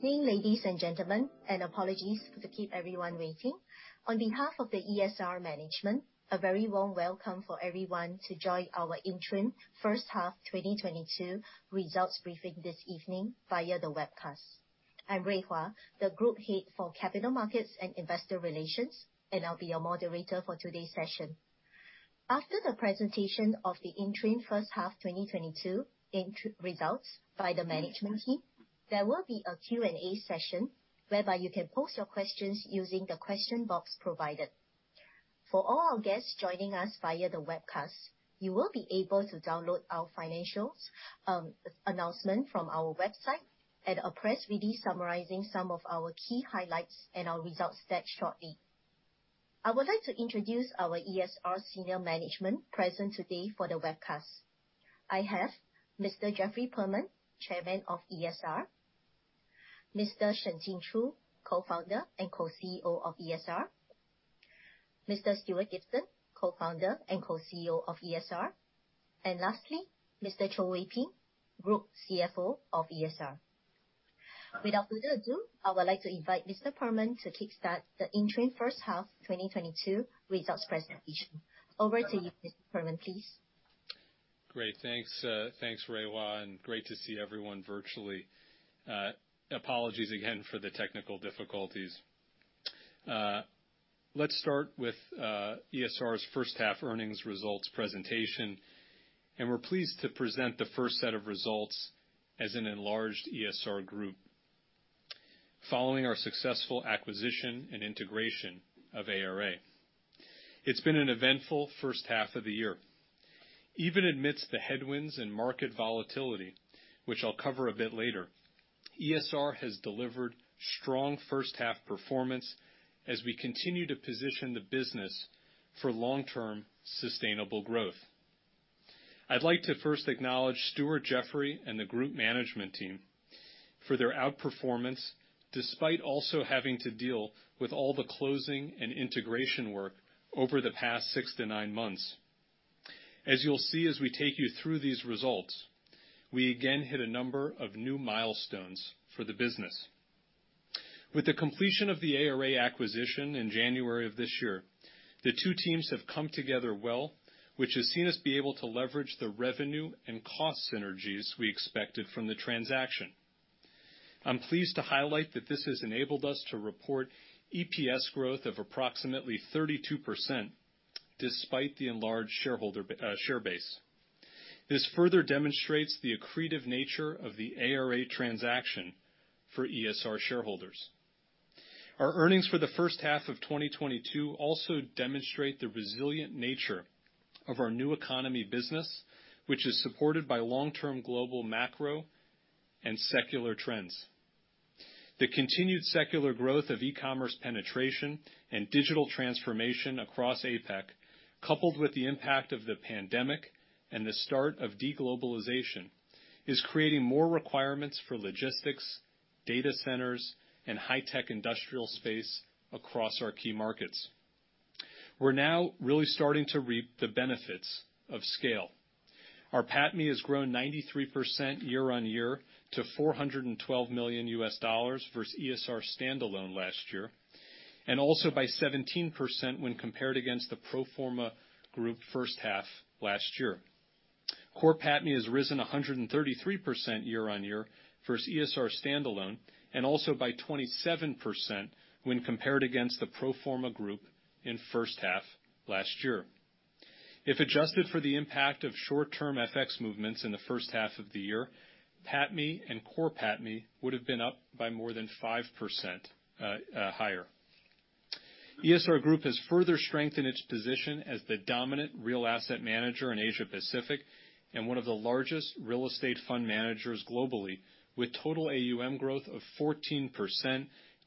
Good evening, ladies and gentlemen, and apologies to keep everyone waiting. On behalf of the ESR management, a very warm welcome for everyone to join our Interim First Half 2022 Results Briefing this evening via the webcast. I'm Rui Hua, the Group Head for Capital Markets and Investor Relations, and I'll be your moderator for today's session. After the presentation of the interim first half 2022 results by the management team, there will be a Q&A session whereby you can post your questions using the question box provided. For all our guests joining us via the webcast, you will be able to download our financials, announcement from our website and a press release summarizing some of our key highlights and our results stats shortly. I would like to introduce our ESR senior management present today for the webcast. I have Mr. Jeffrey Perlman, Chairman of ESR, Mr. Shen Jinchu, Co-Founder and Co-CEO of ESR, Mr. Stuart Gibson, Co-Founder and Co-CEO of ESR, and lastly, Mr. Wee Peng Cho, Group CFO of ESR. Without further ado, I would like to invite Mr. Perlman to kickstart the interim first half 2022 results presentation. Over to you, Mr. Perlman, please. Great. Thanks, Rui Hua, and great to see everyone virtually. Apologies again for the technical difficulties. Let's start with ESR's first half earnings results presentation, and we're pleased to present the first set of results as an enlarged ESR Group. Following our successful acquisition and integration of ARA. It's been an eventful first half of the year. Even amidst the headwinds and market volatility, which I'll cover a bit later, ESR has delivered strong first half performance as we continue to position the business for long-term sustainable growth. I'd like to first acknowledge Stuart, Jeffrey, and the group management team for their outperformance, despite also having to deal with all the closing and integration work over the past six to nine months. As you'll see as we take you through these results, we again hit a number of new milestones for the business. With the completion of the ARA acquisition in January of this year, the two teams have come together well, which has seen us be able to leverage the revenue and cost synergies we expected from the transaction. I'm pleased to highlight that this has enabled us to report EPS growth of approximately 32% despite the enlarged shareholder share base. This further demonstrates the accretive nature of the ARA transaction for ESR shareholders. Our earnings for the first half of 2022 also demonstrate the resilient nature of our new economy business, which is supported by long-term global macro and secular trends. The continued secular growth of e-commerce penetration and digital transformation across APAC, coupled with the impact of the pandemic and the start of de-globalization, is creating more requirements for logistics, data centers, and high-tech industrial space across our key markets. We're now really starting to reap the benefits of scale. Our PATMI has grown 93% year-on-year to $412 million versus ESR standalone last year, and also by 17% when compared against the pro forma group first half last year. Core PATMI has risen 133% year-on-year versus ESR standalone, and also by 27% when compared against the pro forma group in first half last year. If adjusted for the impact of short-term FX movements in the first half of the year, PATMI and core PATMI would have been up by more than 5% higher. ESR Group has further strengthened its position as the dominant real asset manager in Asia-Pacific and one of the largest real estate fund managers globally with total AUM growth of 14%,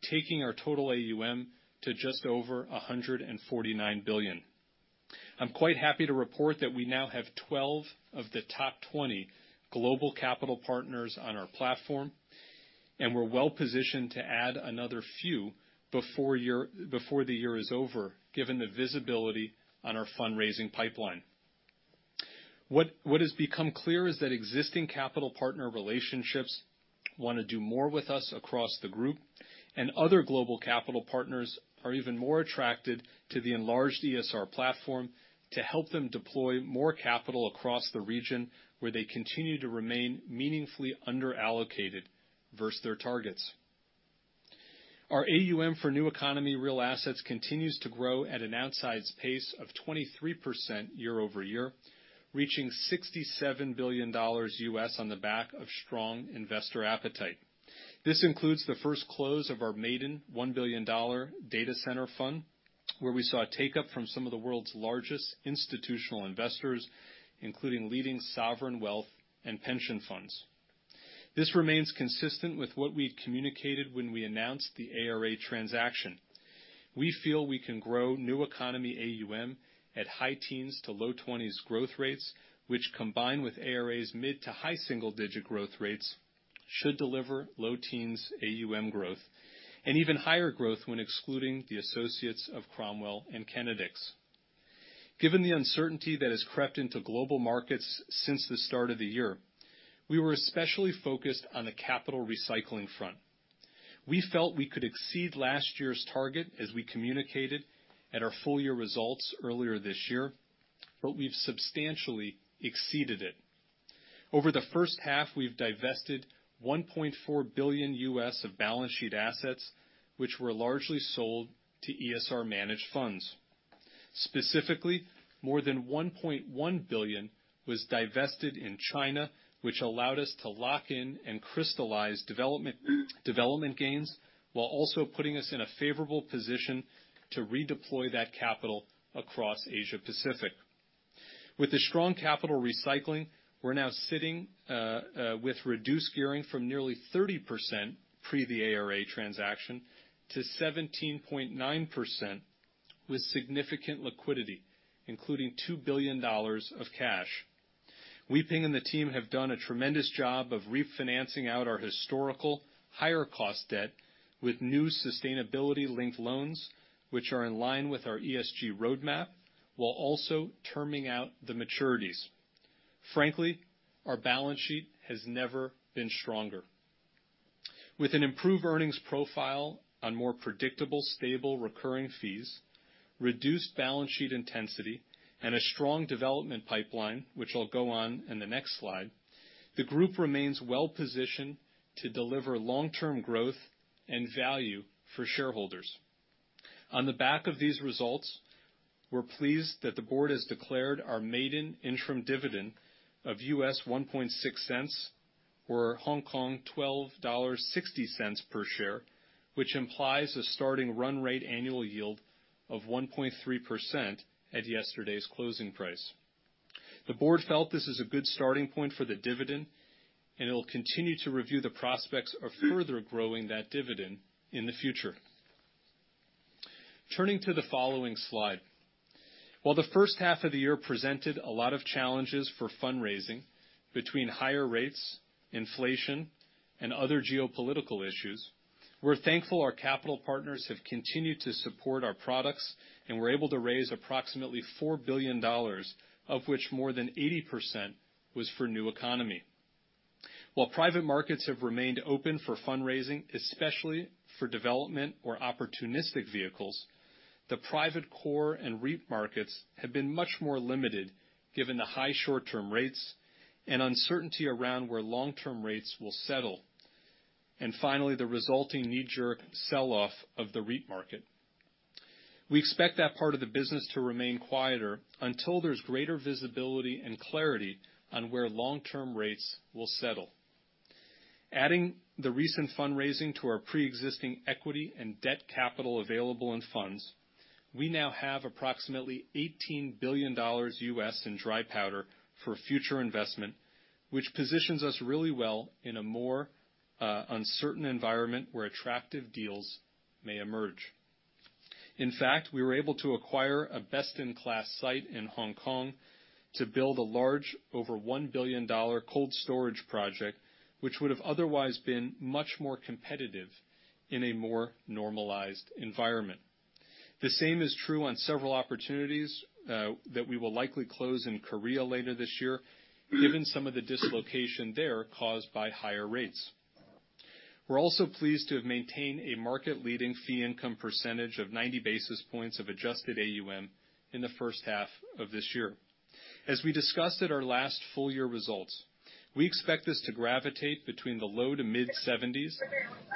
taking our total AUM to just over $149 billion. I'm quite happy to report that we now have 12 of the top 20 global capital partners on our platform, and we're well-positioned to add another few before the year is over, given the visibility on our fundraising pipeline. What has become clear is that existing capital partner relationships wanna do more with us across the group, and other global capital partners are even more attracted to the enlarged ESR platform to help them deploy more capital across the region where they continue to remain meaningfully underallocated versus their targets. Our AUM for new economy real assets continues to grow at an outsized pace of 23% year-over-year, reaching $67 billion on the back of strong investor appetite. This includes the first close of our maiden $1 billion data center fund, where we saw a take-up from some of the world's largest institutional investors, including leading sovereign wealth and pension funds. This remains consistent with what we'd communicated when we announced the ARA transaction. We feel we can grow new economy AUM at high teens to low-20s growth rates, which combined with ARA's mid to high single digit growth rates should deliver low teens AUM growth and even higher growth when excluding the associates of Cromwell and Kenedix. Given the uncertainty that has crept into global markets since the start of the year, we were especially focused on the capital recycling front. We felt we could exceed last year's target as we communicated at our full year results earlier this year, but we've substantially exceeded it. Over the first half, we've divested $1.4 billion of balance sheet assets, which were largely sold to ESR managed funds. Specifically, more than $1.1 billion was divested in China, which allowed us to lock in and crystallize development gains, while also putting us in a favorable position to redeploy that capital across Asia-Pacific. With the strong capital recycling, we're now sitting with reduced gearing from nearly 30% pre the ARA transaction to 17.9% with significant liquidity, including $2 billion of cash. Wee Peng and the team have done a tremendous job of refinancing out our historical higher cost debt with new sustainability-linked loans, which are in line with our ESG roadmap, while also terming out the maturities. Frankly, our balance sheet has never been stronger. With an improved earnings profile on more predictable, stable, recurring fees, reduced balance sheet intensity, and a strong development pipeline, which I'll go on in the next slide, the group remains well-positioned to deliver long-term growth and value for shareholders. On the back of these results, we're pleased that the board has declared our maiden interim dividend of $0.016, or 12.60 Hong Kong dollars per share, which implies a starting run rate annual yield of 1.3% at yesterday's closing price. The board felt this is a good starting point for the dividend, and it will continue to review the prospects of further growing that dividend in the future. Turning to the following slide. While the first half of the year presented a lot of challenges for fundraising between higher rates, inflation, and other geopolitical issues, we're thankful our capital partners have continued to support our products, and we're able to raise approximately $4 billion, of which more than 80% was for new economy. While private markets have remained open for fundraising, especially for development or opportunistic vehicles, the private core and REIT markets have been much more limited, given the high short-term rates and uncertainty around where long-term rates will settle, and finally, the resulting knee-jerk selloff of the REIT market. We expect that part of the business to remain quieter until there's greater visibility and clarity on where long-term rates will settle. Adding the recent fundraising to our preexisting equity and debt capital available in funds, we now have approximately $18 billion in dry powder for future investment, which positions us really well in a more uncertain environment where attractive deals may emerge. In fact, we were able to acquire a best-in-class site in Hong Kong to build a large over $1 billion cold storage project, which would have otherwise been much more competitive in a more normalized environment. The same is true on several opportunities that we will likely close in Korea later this year, given some of the dislocation there caused by higher rates. We're also pleased to have maintained a market-leading fee income percentage of 90 basis points of adjusted AUM in the first half of this year. As we discussed at our last full year results, we expect this to gravitate between the low- to mid-70s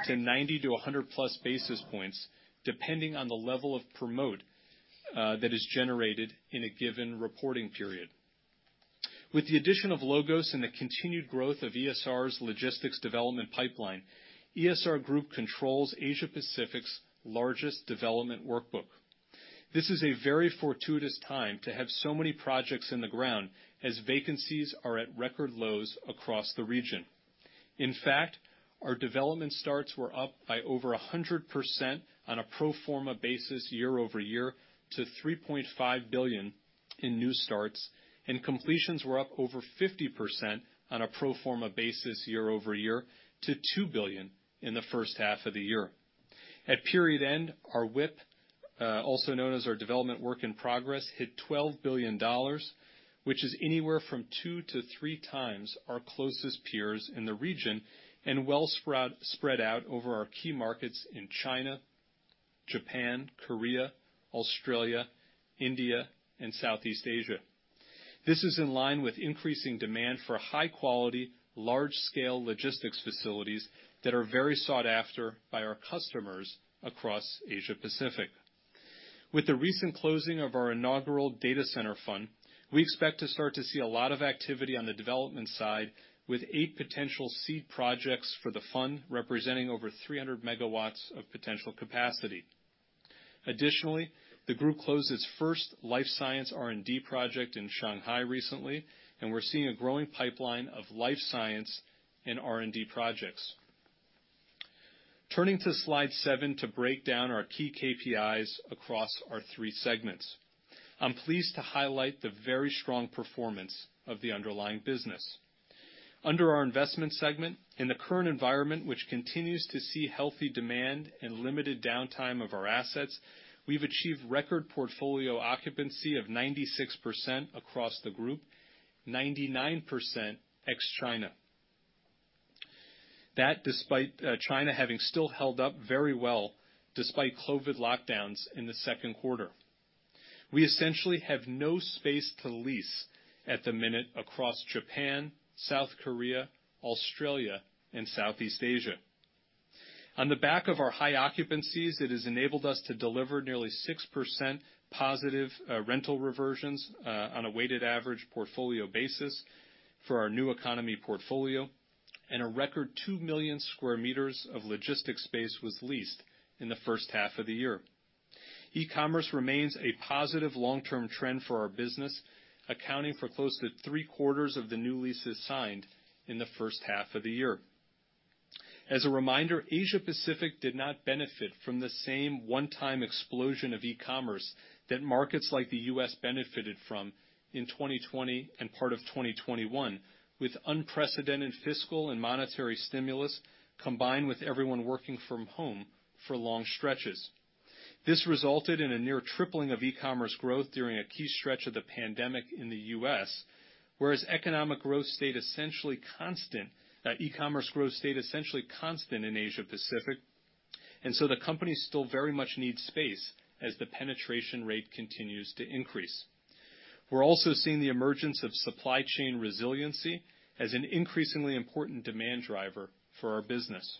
to 90 to a +100 basis points, depending on the level of promote that is generated in a given reporting period. With the addition of LOGOS and the continued growth of ESR's logistics development pipeline, ESR Group controls Asia-Pacific's largest development workbook. This is a very fortuitous time to have so many projects in the ground as vacancies are at record lows across the region. In fact, our development starts were up by over 100% on a pro forma basis year-over-year to $3.5 billion in new starts, and completions were up over 50% on a pro forma basis year-over-year to $2 billion in the first half of the year. At period end, our WIP, also known as our development work in progress, hit $12 billion, which is anywhere from 2x-3x our closest peers in the region and well spread out over our key markets in China, Japan, Korea, Australia, India, and Southeast Asia. This is in line with increasing demand for high-quality, large-scale logistics facilities that are very sought after by our customers across Asia-Pacific. With the recent closing of our inaugural data center fund, we expect to start to see a lot of activity on the development side with eight potential seed projects for the fund, representing over 300 MW of potential capacity. Additionally, the group closed its first life science R&D project in Shanghai recently, and we're seeing a growing pipeline of life science and R&D projects. Turning to slide 7 to break down our key KPIs across our three segments. I'm pleased to highlight the very strong performance of the underlying business. Under our investment segment, in the current environment, which continues to see healthy demand and limited downtime of our assets, we've achieved record portfolio occupancy of 96% across the group, 99% ex-China. That despite, China having still held up very well despite COVID lockdowns in the second quarter. We essentially have no space to lease at the minute across Japan, South Korea, Australia, and Southeast Asia. On the back of our high occupancies, it has enabled us to deliver nearly 6% positive rental reversions on a weighted average portfolio basis for our new economy portfolio, and a record 2 million square meters of logistics space was leased in the first half of the year. E-commerce remains a positive long-term trend for our business, accounting for close to three-quarters of the new leases signed in the first half of the year. As a reminder, Asia-Pacific did not benefit from the same one-time explosion of e-commerce that markets like the U.S. benefited from in 2020 and part of 2021, with unprecedented fiscal and monetary stimulus combined with everyone working from home for long stretches. This resulted in a near tripling of e-commerce growth during a key stretch of the pandemic in the U.S., whereas e-commerce growth stayed essentially constant in Asia Pacific, and so the company still very much needs space as the penetration rate continues to increase. We're also seeing the emergence of supply chain resiliency as an increasingly important demand driver for our business.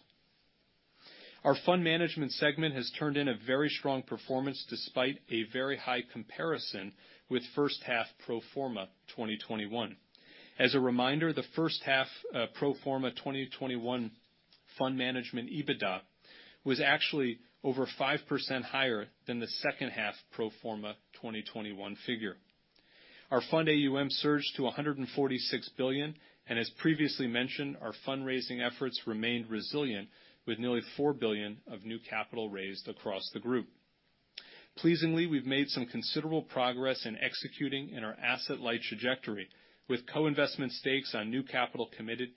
Our fund management segment has turned in a very strong performance despite a very high comparison with first half pro forma 2021. As a reminder, the first half pro forma 2021 fund management EBITDA was actually over 5% higher than the second half pro forma 2021 figure. Our fund AUM surged to $146 billion, and as previously mentioned, our fundraising efforts remained resilient with nearly $4 billion of new capital raised across the group. Pleasingly, we've made some considerable progress in executing in our asset-light trajectory, with co-investment stakes on new capital committed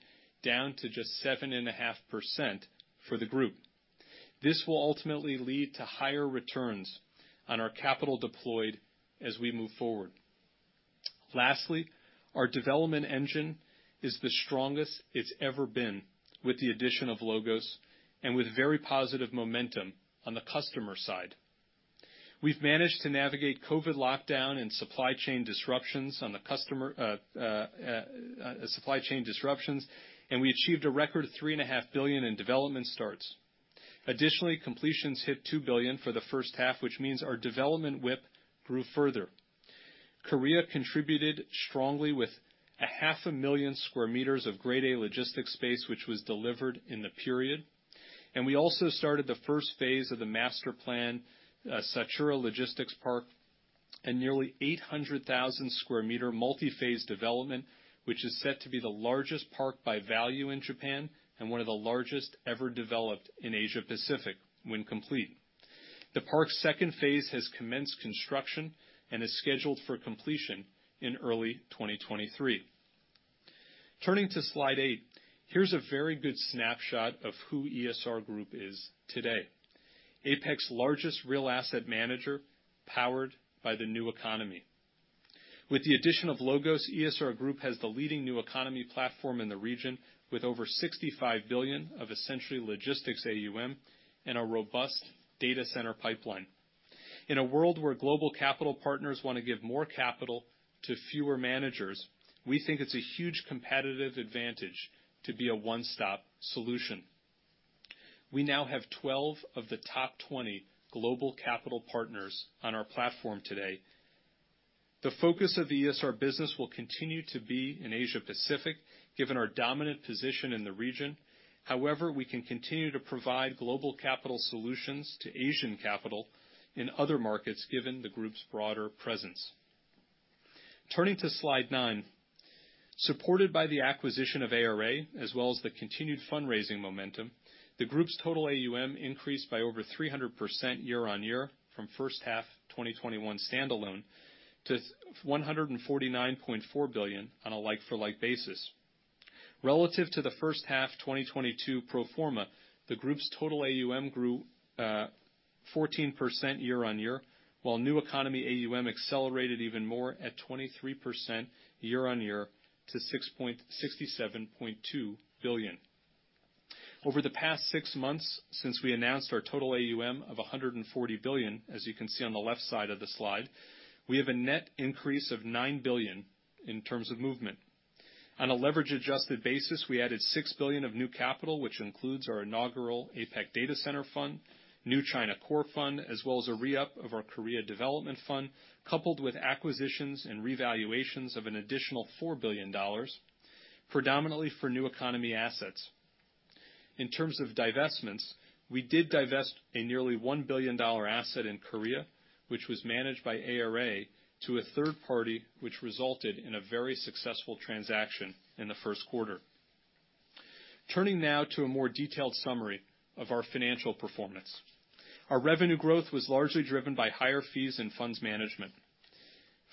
down to just 7.5% for the group. This will ultimately lead to higher returns on our capital deployed as we move forward. Lastly, our development engine is the strongest it's ever been with the addition of LOGOS and with very positive momentum on the customer side. We've managed to navigate COVID lockdown and supply chain disruptions on the customer, and we achieved a record $3.5 billion in development starts. Additionally, completions hit $2 billion for the first half, which means our development WIP grew further. Korea contributed strongly with 500,000 square meters of Grade A logistics space, which was delivered in the period. We also started the first phase of the master plan, Sachiura Logistics Park, a nearly 800,000 square meter multi-phase development, which is set to be the largest park by value in Japan and one of the largest ever developed in Asia Pacific when complete. The park's second phase has commenced construction and is scheduled for completion in early 2023. Turning to slide 8, here's a very good snapshot of who ESR Group is today. APAC's largest real asset manager powered by the new economy. With the addition of LOGOS, ESR Group has the leading new economy platform in the region, with over $65 billion of essentially logistics AUM and a robust data center pipeline. In a world where global capital partners want to give more capital to fewer managers, we think it's a huge competitive advantage to be a one-stop solution. We now have 12 of the top 20 global capital partners on our platform today. The focus of the ESR business will continue to be in Asia-Pacific, given our dominant position in the region. However, we can continue to provide global capital solutions to Asian capital in other markets, given the group's broader presence. Turning to slide 9, supported by the acquisition of ARA, as well as the continued fundraising momentum, the group's total AUM increased by over 300% year-on-year from first half 2021 standalone to $149.4 billion on a like-for-like basis. Relative to the first half 2022 pro forma, the group's total AUM grew 14% year-on-year, while new economy AUM accelerated even more at 23% year-on-year to $67.2 billion. Over the past six months since we announced our total AUM of $140 billion, as you can see on the left side of the slide, we have a net increase of $9 billion in terms of movement. On a leverage-adjusted basis, we added $6 billion of new capital, which includes our inaugural APAC Data Center Fund, new China Core Fund, as well as a re-up of our Korea Development Fund, coupled with acquisitions and revaluations of an additional $4 billion, predominantly for new economy assets. In terms of divestments, we did divest a nearly $1 billion asset in Korea, which was managed by ARA, to a third party, which resulted in a very successful transaction in the first quarter. Turning now to a more detailed summary of our financial performance. Our revenue growth was largely driven by higher fees and funds management.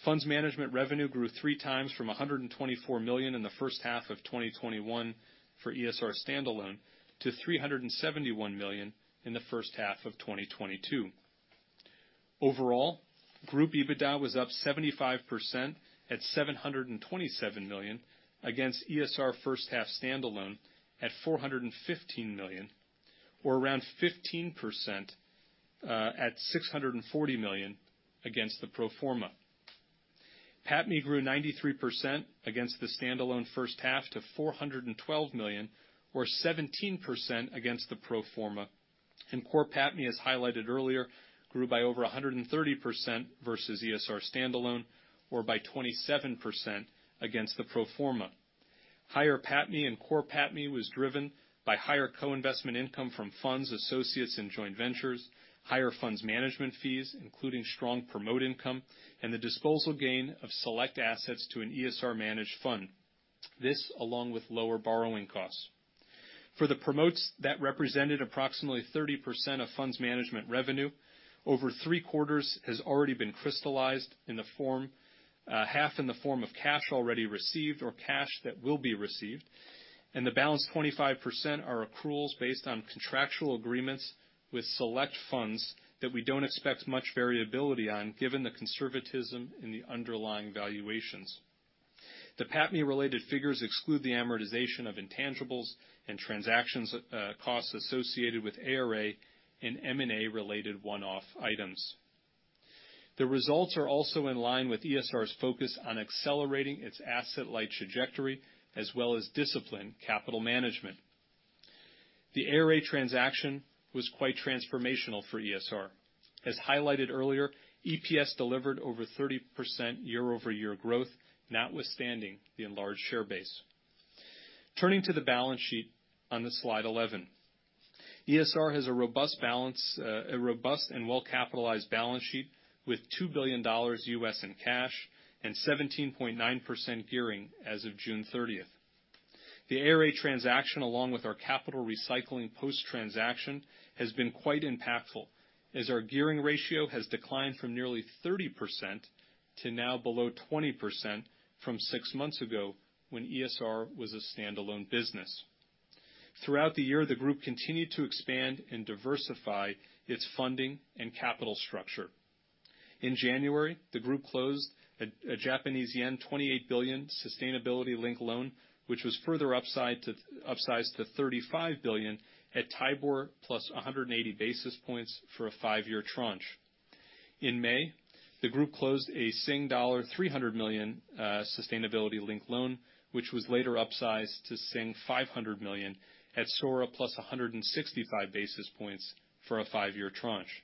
Funds management revenue grew 3x from $124 million in the first half of 2021 for ESR standalone to $371 million in the first half of 2022. Overall, group EBITDA was up 75% at $727 million against ESR first half standalone at $415 million, or around 15% at $640 million against the pro forma. PATMI grew 93% against the standalone first half to $412 million, or 17% against the pro forma. Core PATMI, as highlighted earlier, grew by over 130% versus ESR standalone or by 27% against the pro forma. Higher PATMI and core PATMI was driven by higher co-investment income from funds, associates, and joint ventures, higher funds management fees, including strong promote income, and the disposal gain of select assets to an ESR managed fund. This along with lower borrowing costs. For the promotes that represented approximately 30% of funds management revenue, over three-quarters has already been crystallized in the form, half in the form of cash already received or cash that will be received, and the balance 25% are accruals based on contractual agreements with select funds that we don't expect much variability on, given the conservatism in the underlying valuations. The PATMI related figures exclude the amortization of intangibles and transactions, costs associated with ARA in M&A related one-off items. The results are also in line with ESR's focus on accelerating its asset-light trajectory, as well as disciplined capital management. The ARA transaction was quite transformational for ESR. As highlighted earlier, EPS delivered over 30% year-over-year growth, notwithstanding the enlarged share base. Turning to the balance sheet on slide 11. ESR has a robust and well-capitalized balance sheet with $2 billion in cash and 17.9% gearing as of June 30. The ARA transaction, along with our capital recycling post-transaction, has been quite impactful as our gearing ratio has declined from nearly 30% to now below 20% from six months ago when ESR was a standalone business. Throughout the year, the group continued to expand and diversify its funding and capital structure. In January, the group closed a Japanese yen 28 billion sustainability-linked loan, which was further upsized to 35 billion at TIBOR +180 basis points for a five-year tranche. In May, the group closed a Sing dollar 300 million sustainability-linked loan, which was later upsized to 500 million Sing dollars at SORA +165 basis points for a five-year tranche.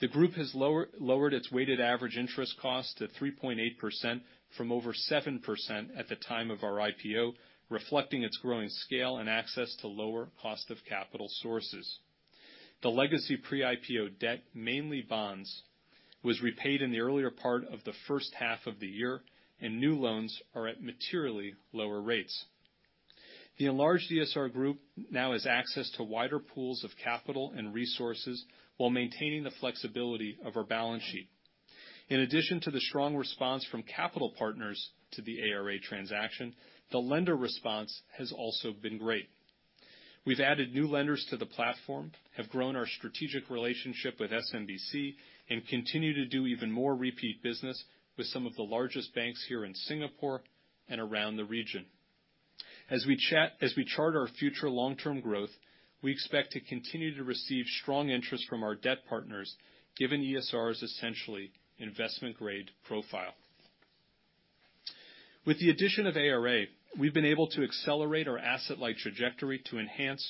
The group has lowered its weighted average interest cost to 3.8% from over 7% at the time of our IPO, reflecting its growing scale and access to lower cost of capital sources. The legacy pre-IPO debt, mainly bonds, was repaid in the earlier part of the first half of the year, and new loans are at materially lower rates. The enlarged ESR Group now has access to wider pools of capital and resources while maintaining the flexibility of our balance sheet. In addition to the strong response from capital partners to the ARA transaction, the lender response has also been great. We've added new lenders to the platform, have grown our strategic relationship with SMBC, and continue to do even more repeat business with some of the largest banks here in Singapore and around the region. As we chart our future long-term growth, we expect to continue to receive strong interest from our debt partners, given ESR's essentially investment-grade profile. With the addition of ARA, we've been able to accelerate our asset-light trajectory to enhance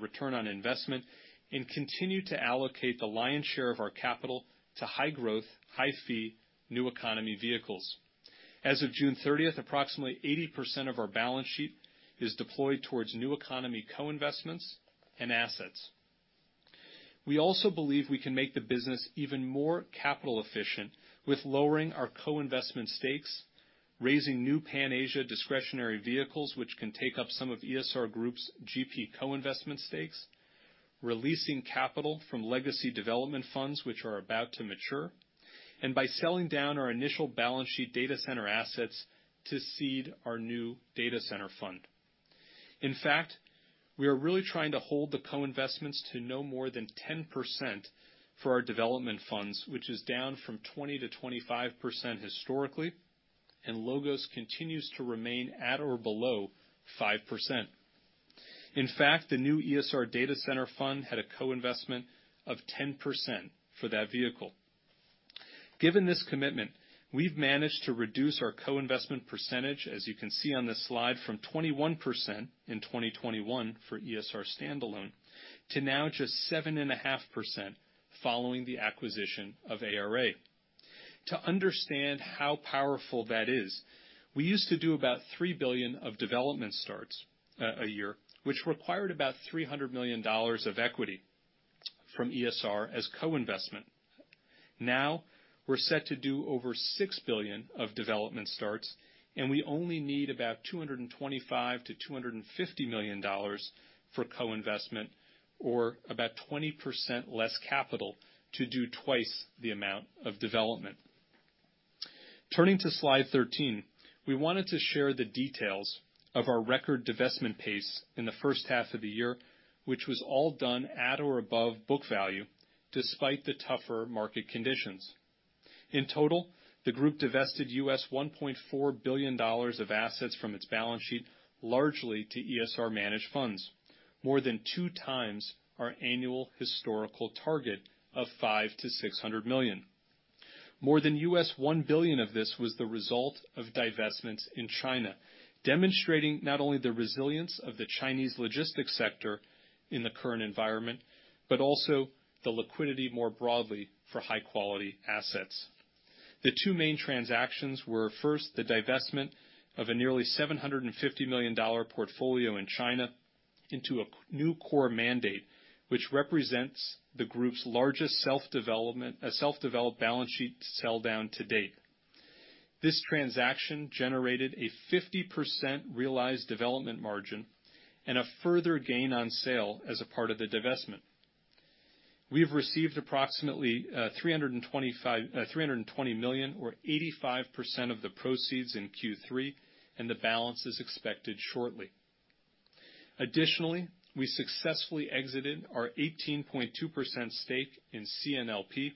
return on investment and continue to allocate the lion's share of our capital to high growth, high fee, new economy vehicles. As of June 30th, approximately 80% of our balance sheet is deployed towards new economy co-investments and assets. We also believe we can make the business even more capital efficient with lowering our co-investment stakes, raising new Pan-Asia discretionary vehicles, which can take up some of ESR Group's GP co-investment stakes, releasing capital from legacy development funds which are about to mature, and by selling down our initial balance sheet data center assets to seed our new data center fund. In fact, we are really trying to hold the co-investments to no more than 10% for our development funds, which is down from 20%-25% historically, and LOGOS continues to remain at or below 5%. In fact, the new ESR Data Center Fund had a co-investment of 10% for that vehicle. Given this commitment, we've managed to reduce our co-investment percentage, as you can see on this slide, from 21% in 2021 for ESR standalone to now just 7.5% following the acquisition of ARA. To understand how powerful that is, we used to do about $3 billion of development starts a year, which required about $300 million of equity from ESR as co-investment. Now we're set to do over $6 billion of development starts, and we only need about $225 million-$250 million for co-investment or about 20% less capital to do twice the amount of development. Turning to slide 13, we wanted to share the details of our record divestment pace in the first half of the year, which was all done at or above book value despite the tougher market conditions. In total, the group divested $1.4 billion of assets from its balance sheet, largely to ESR managed funds, more than 2x our annual historical target of $500 million-$600 million. More than $1 billion of this was the result of divestments in China, demonstrating not only the resilience of the Chinese logistics sector in the current environment, but also the liquidity more broadly for high quality assets. The two main transactions were, first, the divestment of a nearly $750 million portfolio in China into a new core mandate, which represents the group's largest self-developed balance sheet sell down to date. This transaction generated a 50% realized development margin and a further gain on sale as a part of the divestment. We have received approximately $320 million or 85% of the proceeds in Q3, and the balance is expected shortly. Additionally, we successfully exited our 18.2% stake in CNLP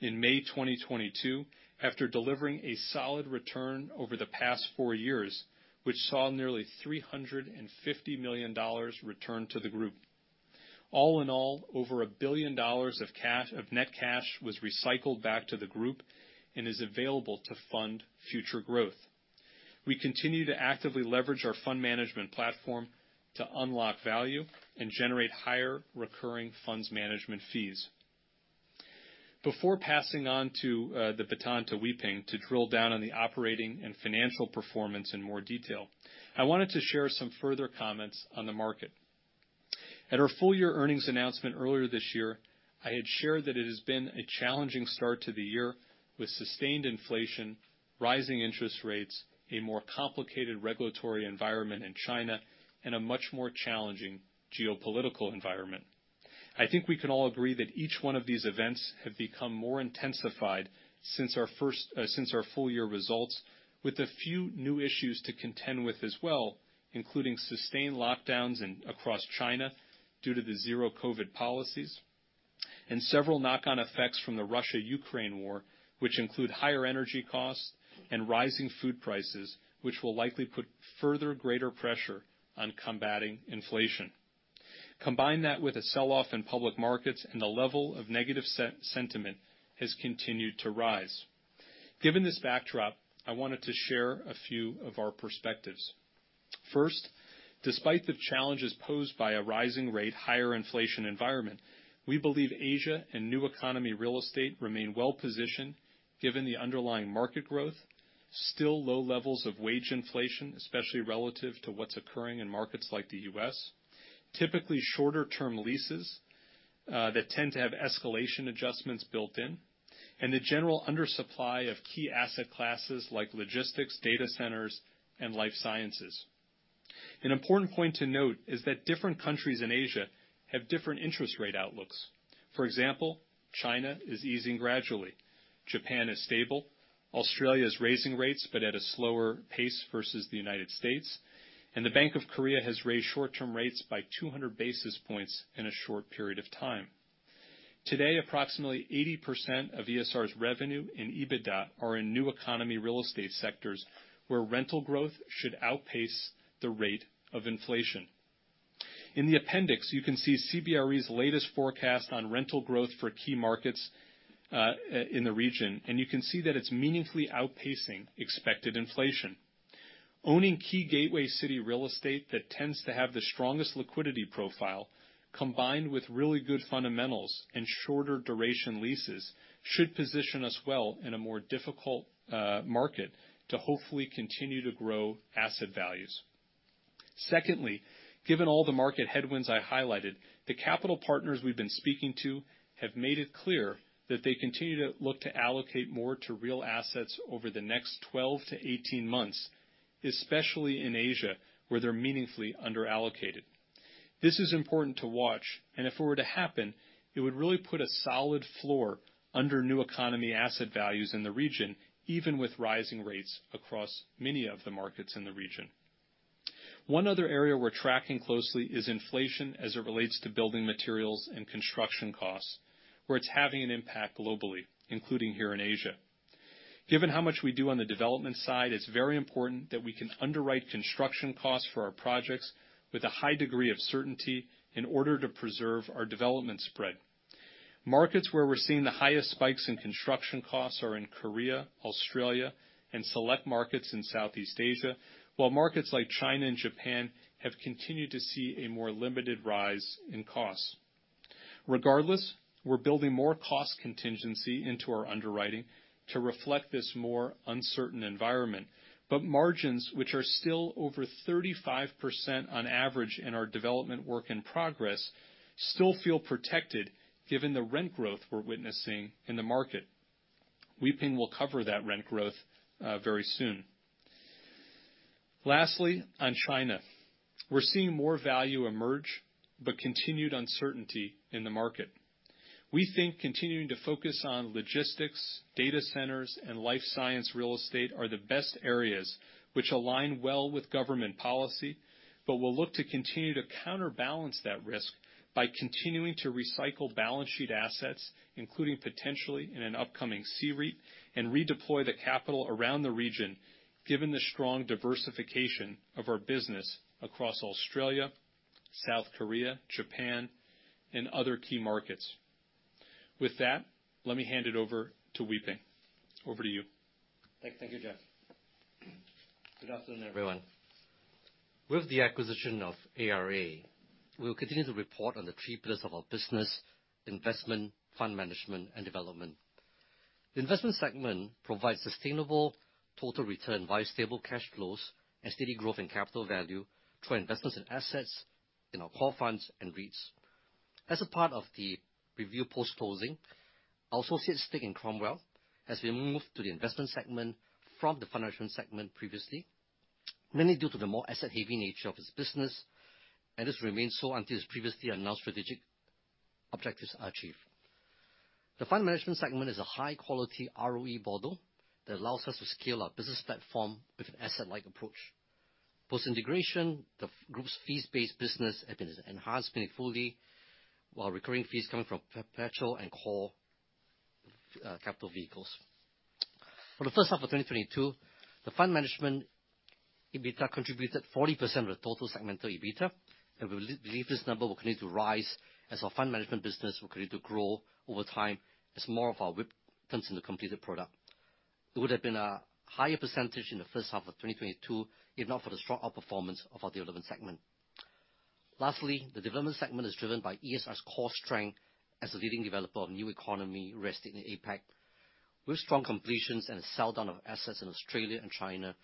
in May 2022 after delivering a solid return over the past four years, which saw nearly $350 million return to the group. All in all, over $1 billion of net cash was recycled back to the group and is available to fund future growth. We continue to actively leverage our fund management platform to unlock value and generate higher recurring funds management fees. Before passing the baton to Wee Peng to drill down on the operating and financial performance in more detail, I wanted to share some further comments on the market. At our full year earnings announcement earlier this year, I had shared that it has been a challenging start to the year with sustained inflation, rising interest rates, a more complicated regulatory environment in China, and a much more challenging geopolitical environment. I think we can all agree that each one of these events have become more intensified since our full year results, with a few new issues to contend with as well, including sustained lockdowns across China due to the zero COVID policies, and several knock-on effects from the Russia-Ukraine war, which include higher energy costs and rising food prices, which will likely put further greater pressure on combating inflation. Combine that with a sell-off in public markets, and the level of negative sentiment has continued to rise. Given this backdrop, I wanted to share a few of our perspectives. First, despite the challenges posed by a rising rate, higher inflation environment, we believe Asia and new economy real estate remain well positioned given the underlying market growth, still low levels of wage inflation, especially relative to what's occurring in markets like the U.S., typically shorter term leases that tend to have escalation adjustments built in, and the general undersupply of key asset classes like logistics, data centers and life sciences. An important point to note is that different countries in Asia have different interest rate outlooks. For example, China is easing gradually. Japan is stable. Australia is raising rates, but at a slower pace versus the United States. The Bank of Korea has raised short-term rates by 200 basis points in a short period of time. Today, approximately 80% of ESR's revenue and EBITDA are in new economy real estate sectors, where rental growth should outpace the rate of inflation. In the appendix, you can see CBRE's latest forecast on rental growth for key markets in the region, and you can see that it's meaningfully outpacing expected inflation. Owning key gateway city real estate that tends to have the strongest liquidity profile combined with really good fundamentals and shorter duration leases should position us well in a more difficult market to hopefully continue to grow asset values. Secondly, given all the market headwinds I highlighted, the capital partners we've been speaking to have made it clear that they continue to look to allocate more to real assets over the next 12-18 months, especially in Asia, where they're meaningfully underallocated. This is important to watch, and if it were to happen, it would really put a solid floor under new economy asset values in the region, even with rising rates across many of the markets in the region. One other area we're tracking closely is inflation as it relates to building materials and construction costs, where it's having an impact globally, including here in Asia. Given how much we do on the development side, it's very important that we can underwrite construction costs for our projects with a high degree of certainty in order to preserve our development spread. Markets where we're seeing the highest spikes in construction costs are in Korea, Australia, and select markets in Southeast Asia, while markets like China and Japan have continued to see a more limited rise in costs. Regardless, we're building more cost contingency into our underwriting to reflect this more uncertain environment. Margins, which are still over 35% on average in our development work in progress, still feel protected given the rent growth we're witnessing in the market. Wee Peng will cover that rent growth very soon. Lastly, on China, we're seeing more value emerge but continued uncertainty in the market. We think continuing to focus on logistics, data centers, and life science real estate are the best areas which align well with government policy. We'll look to continue to counterbalance that risk by continuing to recycle balance sheet assets, including potentially in an upcoming C-REIT, and redeploy the capital around the region, given the strong diversification of our business across Australia, South Korea, Japan, and other key markets. With that, let me hand it over to Wee Peng. Over to you. Thank you, Jeff. Good afternoon, everyone. With the acquisition of ARA, we will continue to report on the three pillars of our business, investment, fund management, and development. The investment segment provides sustainable total return via stable cash flows and steady growth in capital value through our investments in assets in our core funds and REITs. As a part of the review post-closing, our associate stake in Cromwell as we move to the investment segment from the fund management segment previously, mainly due to the more asset-heavy nature of this business, and this remains so until the previously announced strategic objectives are achieved. The fund management segment is a high-quality ROE model that allows us to scale our business platform with an asset-like approach. Post-integration, the group's fees-based business has been enhanced meaningfully, while recurring fees coming from perpetual and core capital vehicles. For the first half of 2022, the fund management EBITDA contributed 40% of the total segmental EBITDA, and we believe this number will continue to rise as our fund management business will continue to grow over time as more of our WIP turns into completed product. It would have been a higher percentage in the first half of 2022 if not for the strong outperformance of our development segment. Lastly, the development segment is driven by ESR's core strength as a leading developer of new economy real estate in APAC. With strong completions and a sell-down of assets in Australia and China,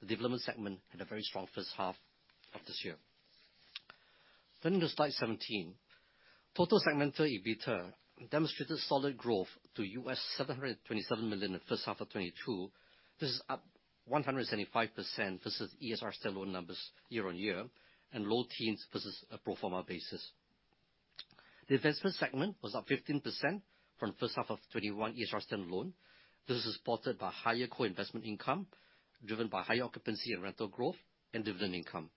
the development segment had a very strong first half of this year. Turning to slide 17. Total segmental EBITDA demonstrated solid growth to $727 million in the first half of 2022. This is up 175% versus ESR stand-alone numbers year-on-year, and low teens% versus a pro forma basis. The investment segment was up 15% from first half of 2021 ESR stand-alone. This is supported by higher co-investment income, driven by higher occupancy and rental growth and dividend income.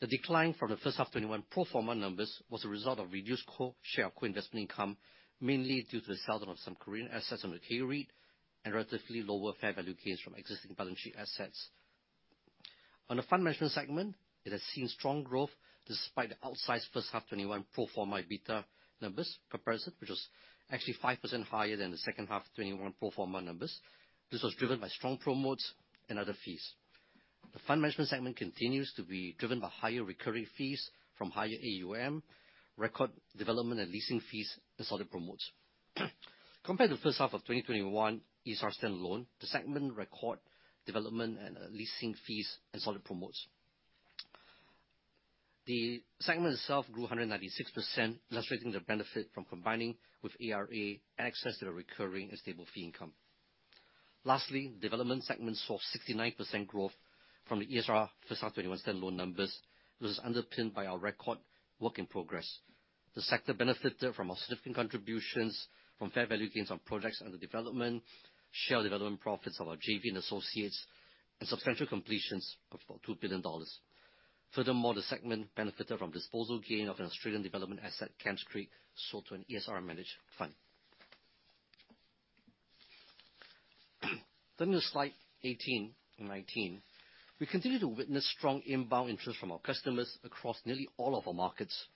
The decline from the first half 2021 pro forma numbers was a result of reduced share of co-investment income, mainly due to the sell-down of some Korean assets on the K-REIT and relatively lower fair value gains from existing balance sheet assets. On the fund management segment, it has seen strong growth despite the outsized first half 2021 pro forma EBITDA numbers comparison, which was actually 5% higher than the second half 2021 pro forma numbers. This was driven by strong promotes and other fees. The fund management segment continues to be driven by higher recurring fees from higher AUM, record development and leasing fees, and solid promotes. Compared to the first half of 2021 ESR stand-alone, the segment recorded development and leasing fees and solid promotes. The segment itself grew 196%, illustrating the benefit from combining with ARA and access to the recurring and stable fee income. Lastly, development segment saw 69% growth from the ESR first half 2021 stand-alone numbers. This was underpinned by our record work in progress. The segment benefited from significant contributions from fair value gains on projects under development, share development profits of our JV and associates, and substantial completions of about $2 billion. Furthermore, the segment benefited from disposal gain of an Australian development asset, Kemps Creek, sold to an ESR-managed fund. Turning to slides 18 and 19. We continue to witness strong inbound interest from our customers across nearly all of our markets.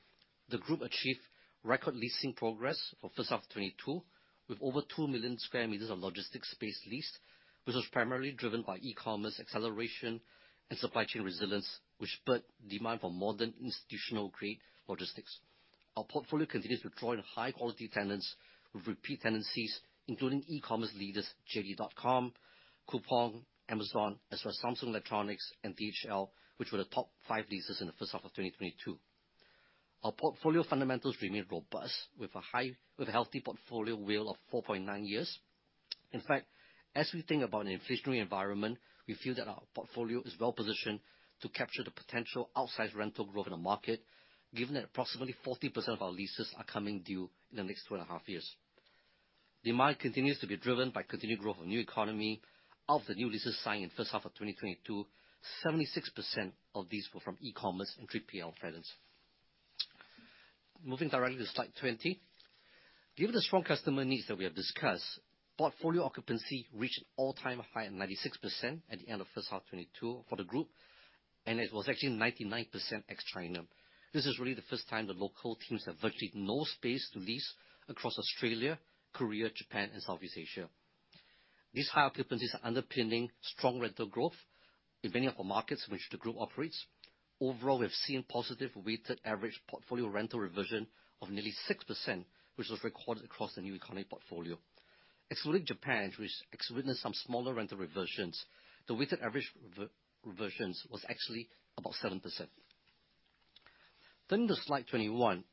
The group achieved record leasing progress for first half of 2022, with over 2 million square meters of logistics space leased, which was primarily driven by e-commerce acceleration and supply chain resilience, which spurred demand for modern institutional-grade logistics. Our portfolio continues to draw in high-quality tenants with repeat tenancies, including e-commerce leaders JD.com, Coupang, Amazon, as well as Samsung Electronics and DHL, which were the top five leases in the first half of 2022. Our portfolio fundamentals remain robust, with a healthy portfolio WALE of 4.9 years. In fact, as we think about an inflationary environment, we feel that our portfolio is well-positioned to capture the potential outsized rental growth in the market, given that approximately 40% of our leases are coming due in the next 2.5 years. Demand continues to be driven by continued growth of new economy. Of the new leases signed in first half of 2022, 76% of these were from e-commerce and 3PL tenants. Moving directly to slide 20. Given the strong customer needs that we have discussed, portfolio occupancy reached an all-time high at 96% at the end of first half 2022 for the group, and it was actually 99% ex-China. This is really the first time the local teams have virtually no space to lease across Australia, Korea, Japan, and Southeast Asia. These high occupancies are underpinning strong rental growth in many of the markets in which the group operates. Overall, we have seen positive weighted average portfolio rental reversion of nearly 6%, which was recorded across the new economy portfolio. Excluding Japan, which has witnessed some smaller rental reversions, the weighted average rental reversions was actually about 7%. Slide 21.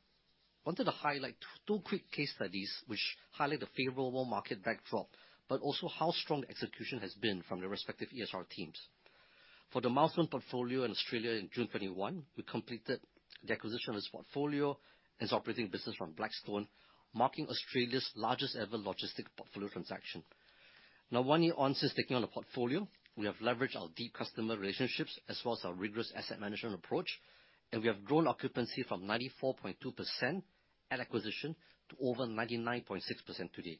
Wanted to highlight two quick case studies which highlight the favorable market backdrop, but also how strong execution has been from the respective ESR teams. For the Milestone portfolio in Australia in June 2021, we completed the acquisition of this portfolio and its operating business from Blackstone, marking Australia's largest ever logistics portfolio transaction. Now, one year on since taking on the portfolio, we have leveraged our deep customer relationships as well as our rigorous asset management approach, and we have grown occupancy from 94.2% at acquisition to over 99.6% today.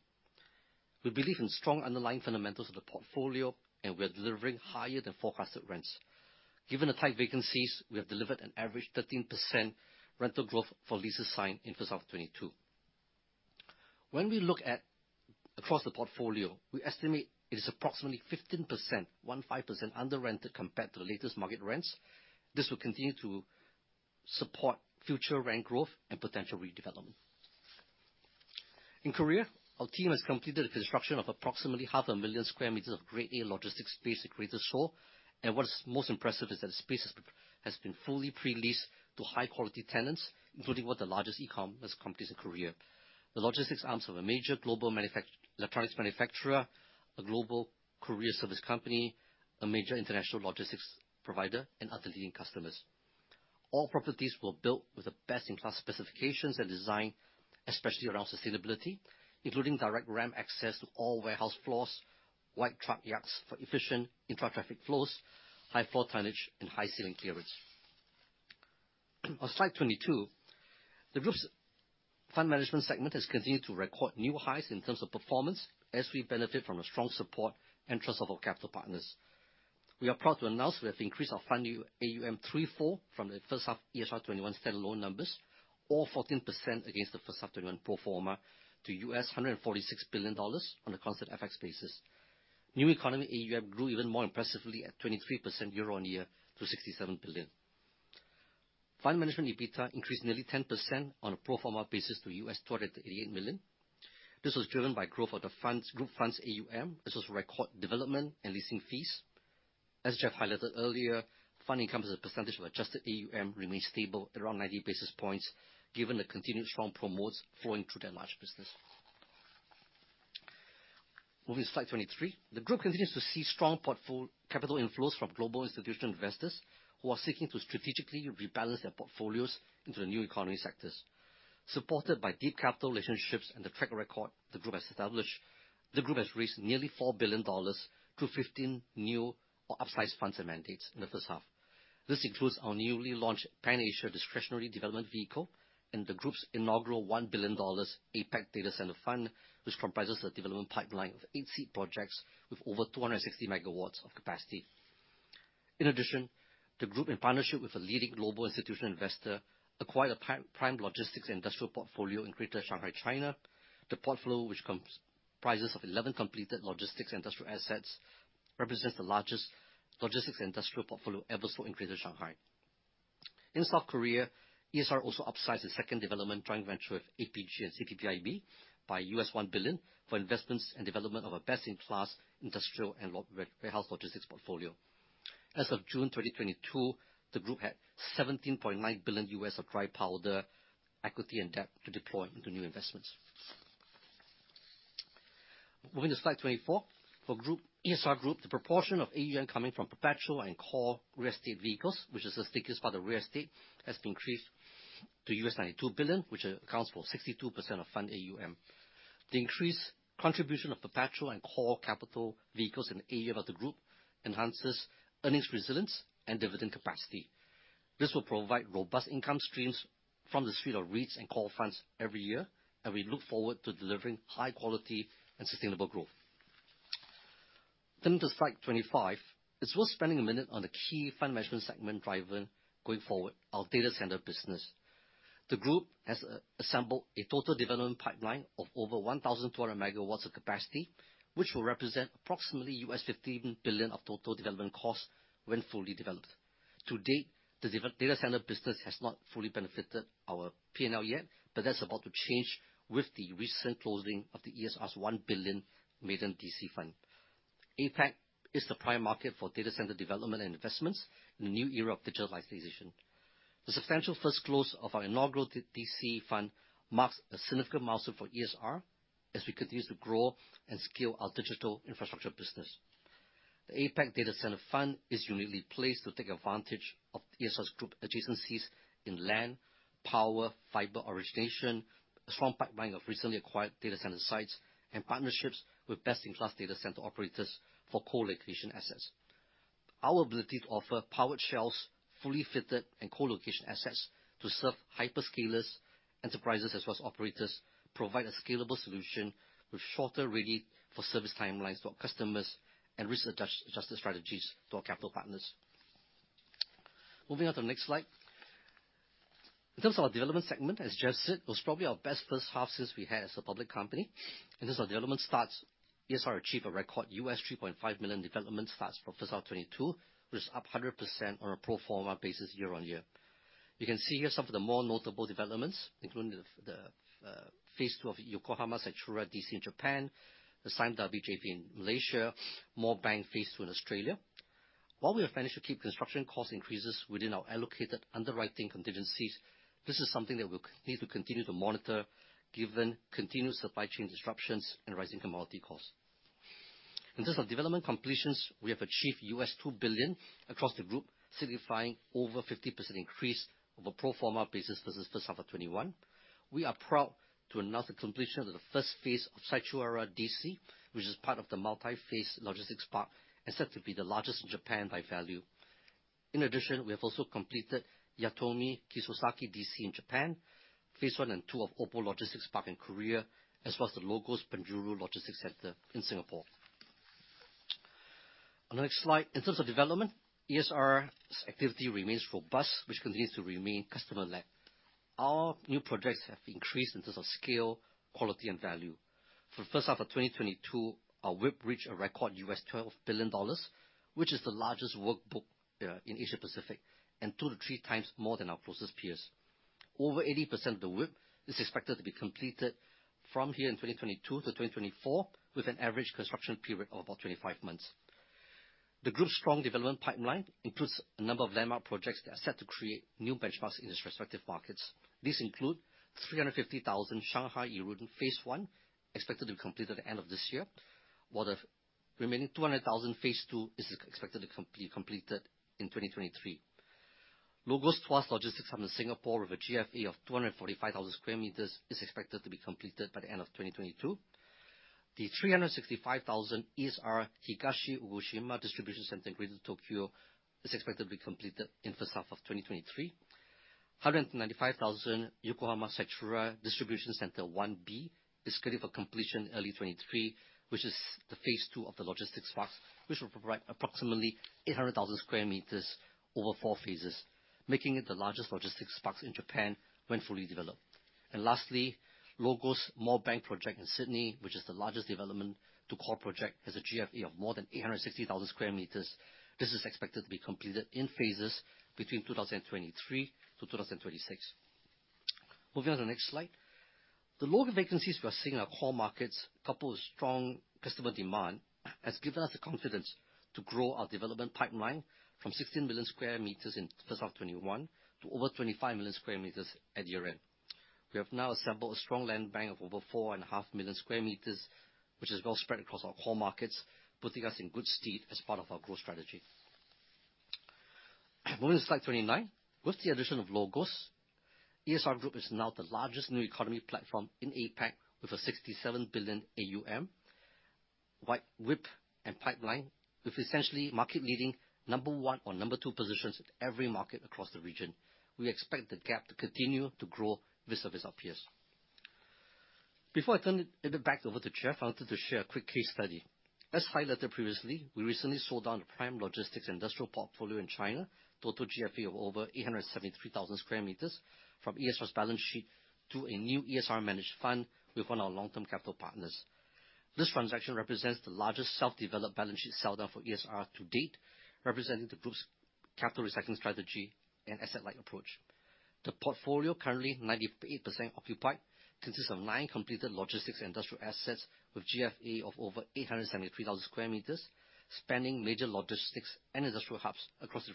We believe in strong underlying fundamentals of the portfolio, and we are delivering higher than forecasted rents. Given the tight vacancies, we have delivered an average 13% rental growth for leases signed in first half of 2022. When we look across the portfolio, we estimate it is approximately 15%, 15% under rented compared to the latest market rents. This will continue to support future rent growth and potential redevelopment. In Korea, our team has completed the construction of approximately 500,000 square meters of grade A logistics space at Greater Seoul. What is most impressive is that the space has been fully pre-leased to high quality tenants, including one of the largest e-commerce companies in Korea. The logistics arms of a major global electronics manufacturer, a global Korean service company, a major international logistics provider, and other leading customers. All properties were built with the best-in-class specifications and design, especially around sustainability, including direct ramp access to all warehouse floors, wide truck yards for efficient intra-traffic flows, high floor tonnage and high ceiling clearance. On slide 22, the group's fund management segment has continued to record new highs in terms of performance as we benefit from a strong support and trust of our capital partners. We are proud to announce we have increased our funding AUM 34% from the first half 2021 ESR standalone numbers or 14% against the first half 2021 pro forma to $146 billion on a constant FX basis. New economy AUM grew even more impressively at 23% year-on-year to $67 billion. Fund management EBITDA increased nearly 10% on a pro forma basis to $288 million. This was driven by growth of the funds group funds AUM. This was record development and leasing fees. As Jeff highlighted earlier, funding income as a percentage of adjusted AUM remains stable at around 90 basis points given the continued strong promotes flowing through that large business. Moving to slide 23. The group continues to see strong capital inflows from global institutional investors who are seeking to strategically rebalance their portfolios into the new economy sectors. Supported by deep capital relationships and the track record the group has established, the group has raised nearly $4 billion through 15 new or upsized funds and mandates in the first half. This includes our newly launched Pan-Asia discretionary development vehicle and the group's inaugural $1 billion APAC data center fund, which comprises the development pipeline of eight-site projects with over 260 MW of capacity. In addition, the group, in partnership with a leading global institutional investor, acquired a prime logistics industrial portfolio in Greater Shanghai, China. The portfolio, which comprises of 11 completed logistics industrial assets, represents the largest logistics industrial portfolio ever sold in Greater Shanghai. In South Korea, ESR also upsized the second development joint venture with APG and CPPIB by $1 billion for investments and development of a best-in-class industrial and warehouse logistics portfolio. As of June 2022, the group had $17.9 billion of dry powder equity and debt to deploy into new investments. Moving to slide 24. For the group, ESR Group, the proportion of AUM coming from perpetual and core real estate vehicles, which is the stickiest part of real estate, has increased to $92 billion, which accounts for 62% of fund AUM. The increased contribution of perpetual and core capital vehicles in the AUM of the group enhances earnings resilience and dividend capacity. This will provide robust income streams from the suite of REITs and core funds every year, and we look forward to delivering high quality and sustainable growth. To slide 25. It's worth spending a minute on the key fund management segment driver going forward, our data center business. The group has assembled a total development pipeline of over 1,200 MW of capacity, which will represent approximately $15 billion of total development costs when fully developed. To date, the data center business has not fully benefited our P&L yet, but that's about to change with the recent closing of the ESR's $1 billion maiden DC fund. APAC is the prime market for data center development and investments in the new era of digitalization. The substantial first close of our inaugural DC fund marks a significant milestone for ESR as we continue to grow and scale our digital infrastructure business. The APAC Data Center fund is uniquely placed to take advantage of ESR's group adjacencies in land, power, fiber origination, a strong pipeline of recently acquired data center sites, and partnerships with best-in-class data center operators for co-location assets. Our ability to offer powered shelves, fully fitted and co-location assets to serve hyperscalers, enterprises as well as operators, provide a scalable solution with shorter ready-for-service timelines for our customers and risk adjustment strategies to our capital partners. Moving on to the next slide. In terms of our development segment, as Jeff said, it was probably our best first half since we had as a public company. In terms of development starts, ESR achieved a record $3.5 million development starts for first half 2022, which is up 100% on a pro forma basis year-on-year. You can see here some of the more notable developments, including phase II of Yokohama Sachiura DC in Japan, the Sime Darby JV in Malaysia, Moorebank phase II in Australia. While we have managed to keep construction cost increases within our allocated underwriting contingencies, this is something that we'll need to continue to monitor given continued supply chain disruptions and rising commodity costs. In terms of development completions, we have achieved $2 billion across the group, signifying over 50% increase over pro forma basis versus the second half 2021. We are proud to announce the completion of the first phase of Sachiura DC, which is part of the multi-phase logistics park and set to be the largest in Japan by value. In addition, we have also completed Yatomi Kisosaki DC in Japan, phase I and II of Opo Logistics Park in Korea, as well as the LOGOS Penjuru Logistics Center in Singapore. On the next slide, in terms of development, ESR's activity remains robust, which continues to remain customer-led. Our new projects have increased in terms of scale, quality and value. For the first half of 2022, our WIP reached a record $12 billion, which is the largest workbook in Asia-Pacific and 2x-3x more than our closest peers. Over 80% of the WIP is expected to be completed from here in 2022-2024, with an average construction period of about 25 months. The group's strong development pipeline includes a number of landmark projects that are set to create new benchmarks in its respective markets. These include 350,000 Shanghai Yurun Phase I, expected to be completed at the end of this year, while the remaining 200,000 Phase II is expected to be completed in 2023. LOGOS Tuas Logistics Hub in Singapore with a GFA of 245,000 square meters is expected to be completed by the end of 2022. The 365,000 ESR Higashi Ogishima Distribution Center in Greater Tokyo is expected to be completed in first half of 2023. 195,000 Yokohama Sachiura Distribution Center 1B is scheduled for completion early 2023, which is the Phase II of the logistics parks, which will provide approximately 800,000 square meters over four phases, making it the largest logistics parks in Japan when fully developed. Lastly, LOGOS Moorebank project in Sydney, which is the largest development-to-core project, has a GFA of more than 860,000 sq m. This is expected to be completed in phases between 2023 and 2026. Moving on to the next slide. The lower vacancies we are seeing in our core markets, coupled with strong customer demand, has given us the confidence to grow our development pipeline from 16 million sq m in first half 2021 to over 25 million sq m at year-end. We have now assembled a strong land bank of over 4.5 million sq m, which is well spread across our core markets, putting us in good stead as part of our growth strategy. Moving to slide 29. With the addition of LOGOS, ESR Group is now the largest new economy platform in APAC with a $67 billion AUM, WIP and pipeline, with essentially market-leading number one or number two positions in every market across the region. We expect the gap to continue to grow vis-à-vis our peers. Before I turn it back over to Jeff, I wanted to share a quick case study. As highlighted previously, we recently sold down a prime logistics industrial portfolio in China, total GFA of over 873,000 sq m from ESR's balance sheet to a new ESR managed fund with one of our long-term capital partners. This transaction represents the largest self-developed balance sheet sell-down for ESR to date, representing the group's capital recycling strategy and asset-light approach. The portfolio, currently 98% occupied, consists of nine completed logistics industrial assets with GFA of over 873,000 square meters, spanning major logistics and industrial hubs across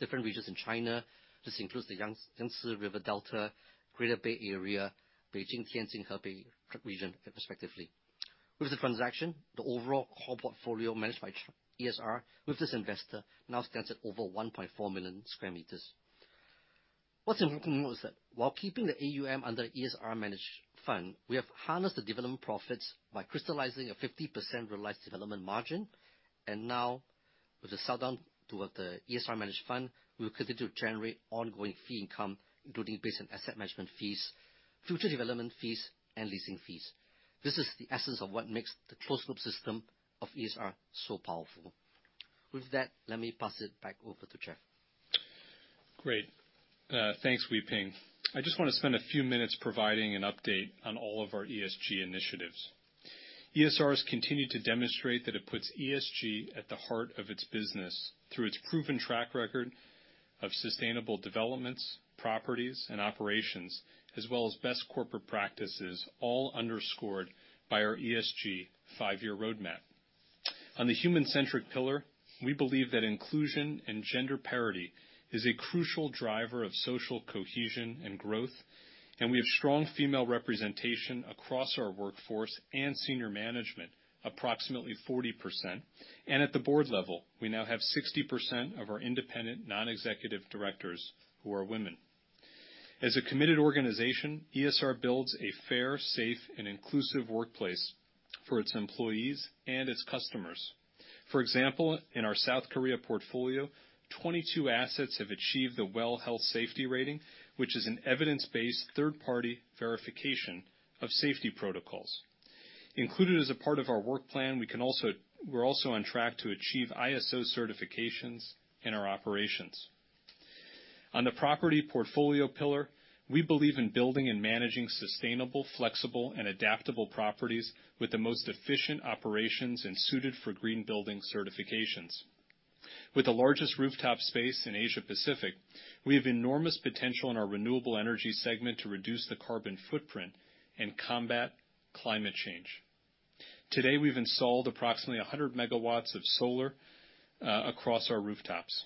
different regions in China. This includes the Yangtze River Delta, Greater Bay Area, Beijing-Tianjin-Hebei region respectively. With the transaction, the overall core portfolio managed by ESR with this investor now stands at over 1.4 million square meters. What's important to note is that while keeping the AUM under the ESR managed fund, we have harnessed the development profits by crystallizing a 50% realized development margin. Now, with the sell-down to the ESR managed fund, we will continue to generate ongoing fee income, including base and asset management fees, future development fees, and leasing fees. This is the essence of what makes the closed loop system of ESR so powerful. With that, let me pass it back over to Jeff. Great. Thanks, Wee Peng. I just want to spend a few minutes providing an update on all of our ESG initiatives. ESR has continued to demonstrate that it puts ESG at the heart of its business through its proven track record of sustainable developments, properties, and operations, as well as best corporate practices, all underscored by our ESG five-year roadmap. On the human-centric pillar, we believe that inclusion and gender parity is a crucial driver of social cohesion and growth. We have strong female representation across our workforce and senior management, approximately 40%. At the board level, we now have 60% of our independent non-executive directors who are women. As a committed organization, ESR builds a fair, safe, and inclusive workplace for its employees and its customers. For example, in our South Korea portfolio, 22 assets have achieved the WELL Health-Safety Rating, which is an evidence-based third-party verification of safety protocols. Included as a part of our work plan, we're also on track to achieve ISO certifications in our operations. On the property portfolio pillar, we believe in building and managing sustainable, flexible, and adaptable properties with the most efficient operations and suited for green building certifications. With the largest rooftop space in Asia-Pacific, we have enormous potential in our renewable energy segment to reduce the carbon footprint and combat climate change. Today, we've installed approximately 100 MW of solar across our rooftops.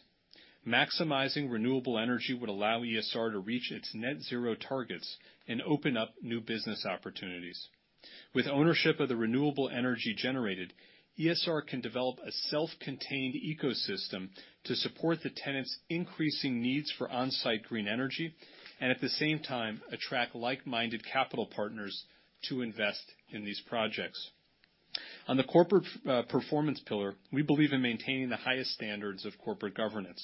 Maximizing renewable energy would allow ESR to reach its net zero targets and open up new business opportunities. With ownership of the renewable energy generated, ESR can develop a self-contained ecosystem to support the tenants' increasing needs for on-site green energy and at the same time, attract like-minded capital partners to invest in these projects. On the corporate governance performance pillar, we believe in maintaining the highest standards of corporate governance.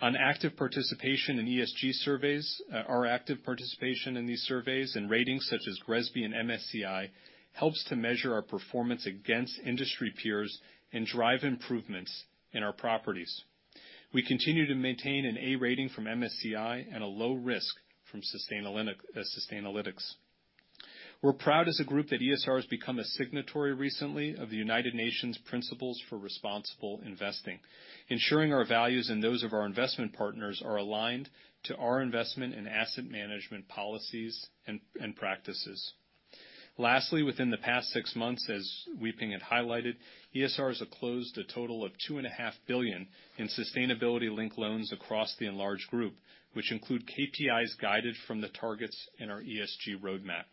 On active participation in ESG surveys, our active participation in these surveys and ratings such as GRESB and MSCI helps to measure our performance against industry peers and drive improvements in our properties. We continue to maintain an A rating from MSCI and a low risk from Sustainalytics. We're proud as a group that ESR has become a signatory recently of the United Nations Principles for Responsible Investment, ensuring our values and those of our investment partners are aligned to our investment and asset management policies and practices. Lastly, within the past six months, as Wee Peng had highlighted, ESR has closed a total of $2.5 billion in sustainability-linked loans across the enlarged group, which include KPIs guided from the targets in our ESG roadmap.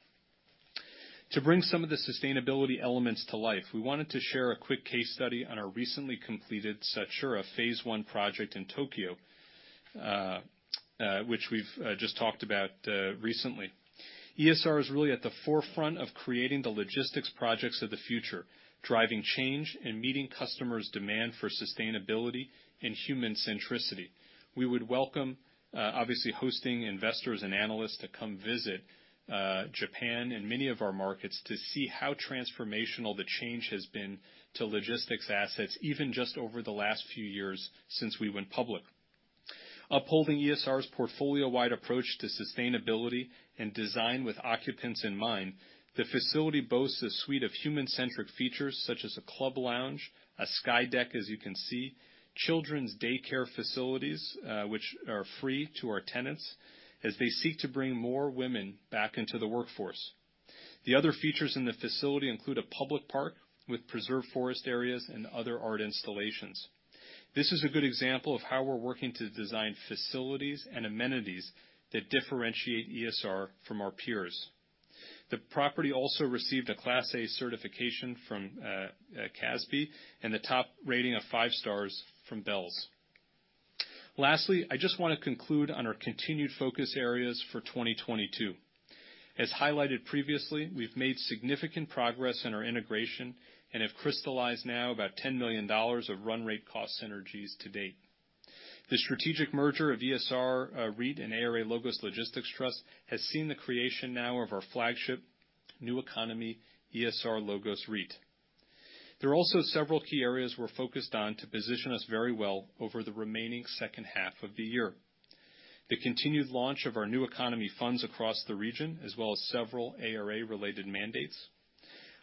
To bring some of the sustainability elements to life, we wanted to share a quick case study on our recently completed Sachiura Phase I project in Tokyo, which we've just talked about recently. ESR is really at the forefront of creating the logistics projects of the future, driving change and meeting customers' demand for sustainability and human centricity. We would welcome, obviously, hosting investors and analysts to come visit Japan and many of our markets to see how transformational the change has been to logistics assets, even just over the last few years since we went public. Upholding ESR's portfolio-wide approach to sustainability and design with occupants in mind, the facility boasts a suite of human-centric features such as a club lounge, a sky deck, as you can see, children's daycare facilities, which are free to our tenants as they seek to bring more women back into the workforce. The other features in the facility include a public park with preserved forest areas and other art installations. This is a good example of how we're working to design facilities and amenities that differentiate ESR from our peers. The property also received a Class A certification from CASBEE and the top rating of five stars from BELS. Lastly, I just wanna conclude on our continued focus areas for 2022. As highlighted previously, we've made significant progress in our integration and have crystallized now about $10 million of run rate cost synergies to date. The strategic merger of ESR-REIT and ARA LOGOS Logistics Trust has seen the creation now of our flagship new economy ESR-LOGOS REIT. There are also several key areas we're focused on to position us very well over the remaining second half of the year. The continued launch of our new economy funds across the region, as well as several ARA-related mandates.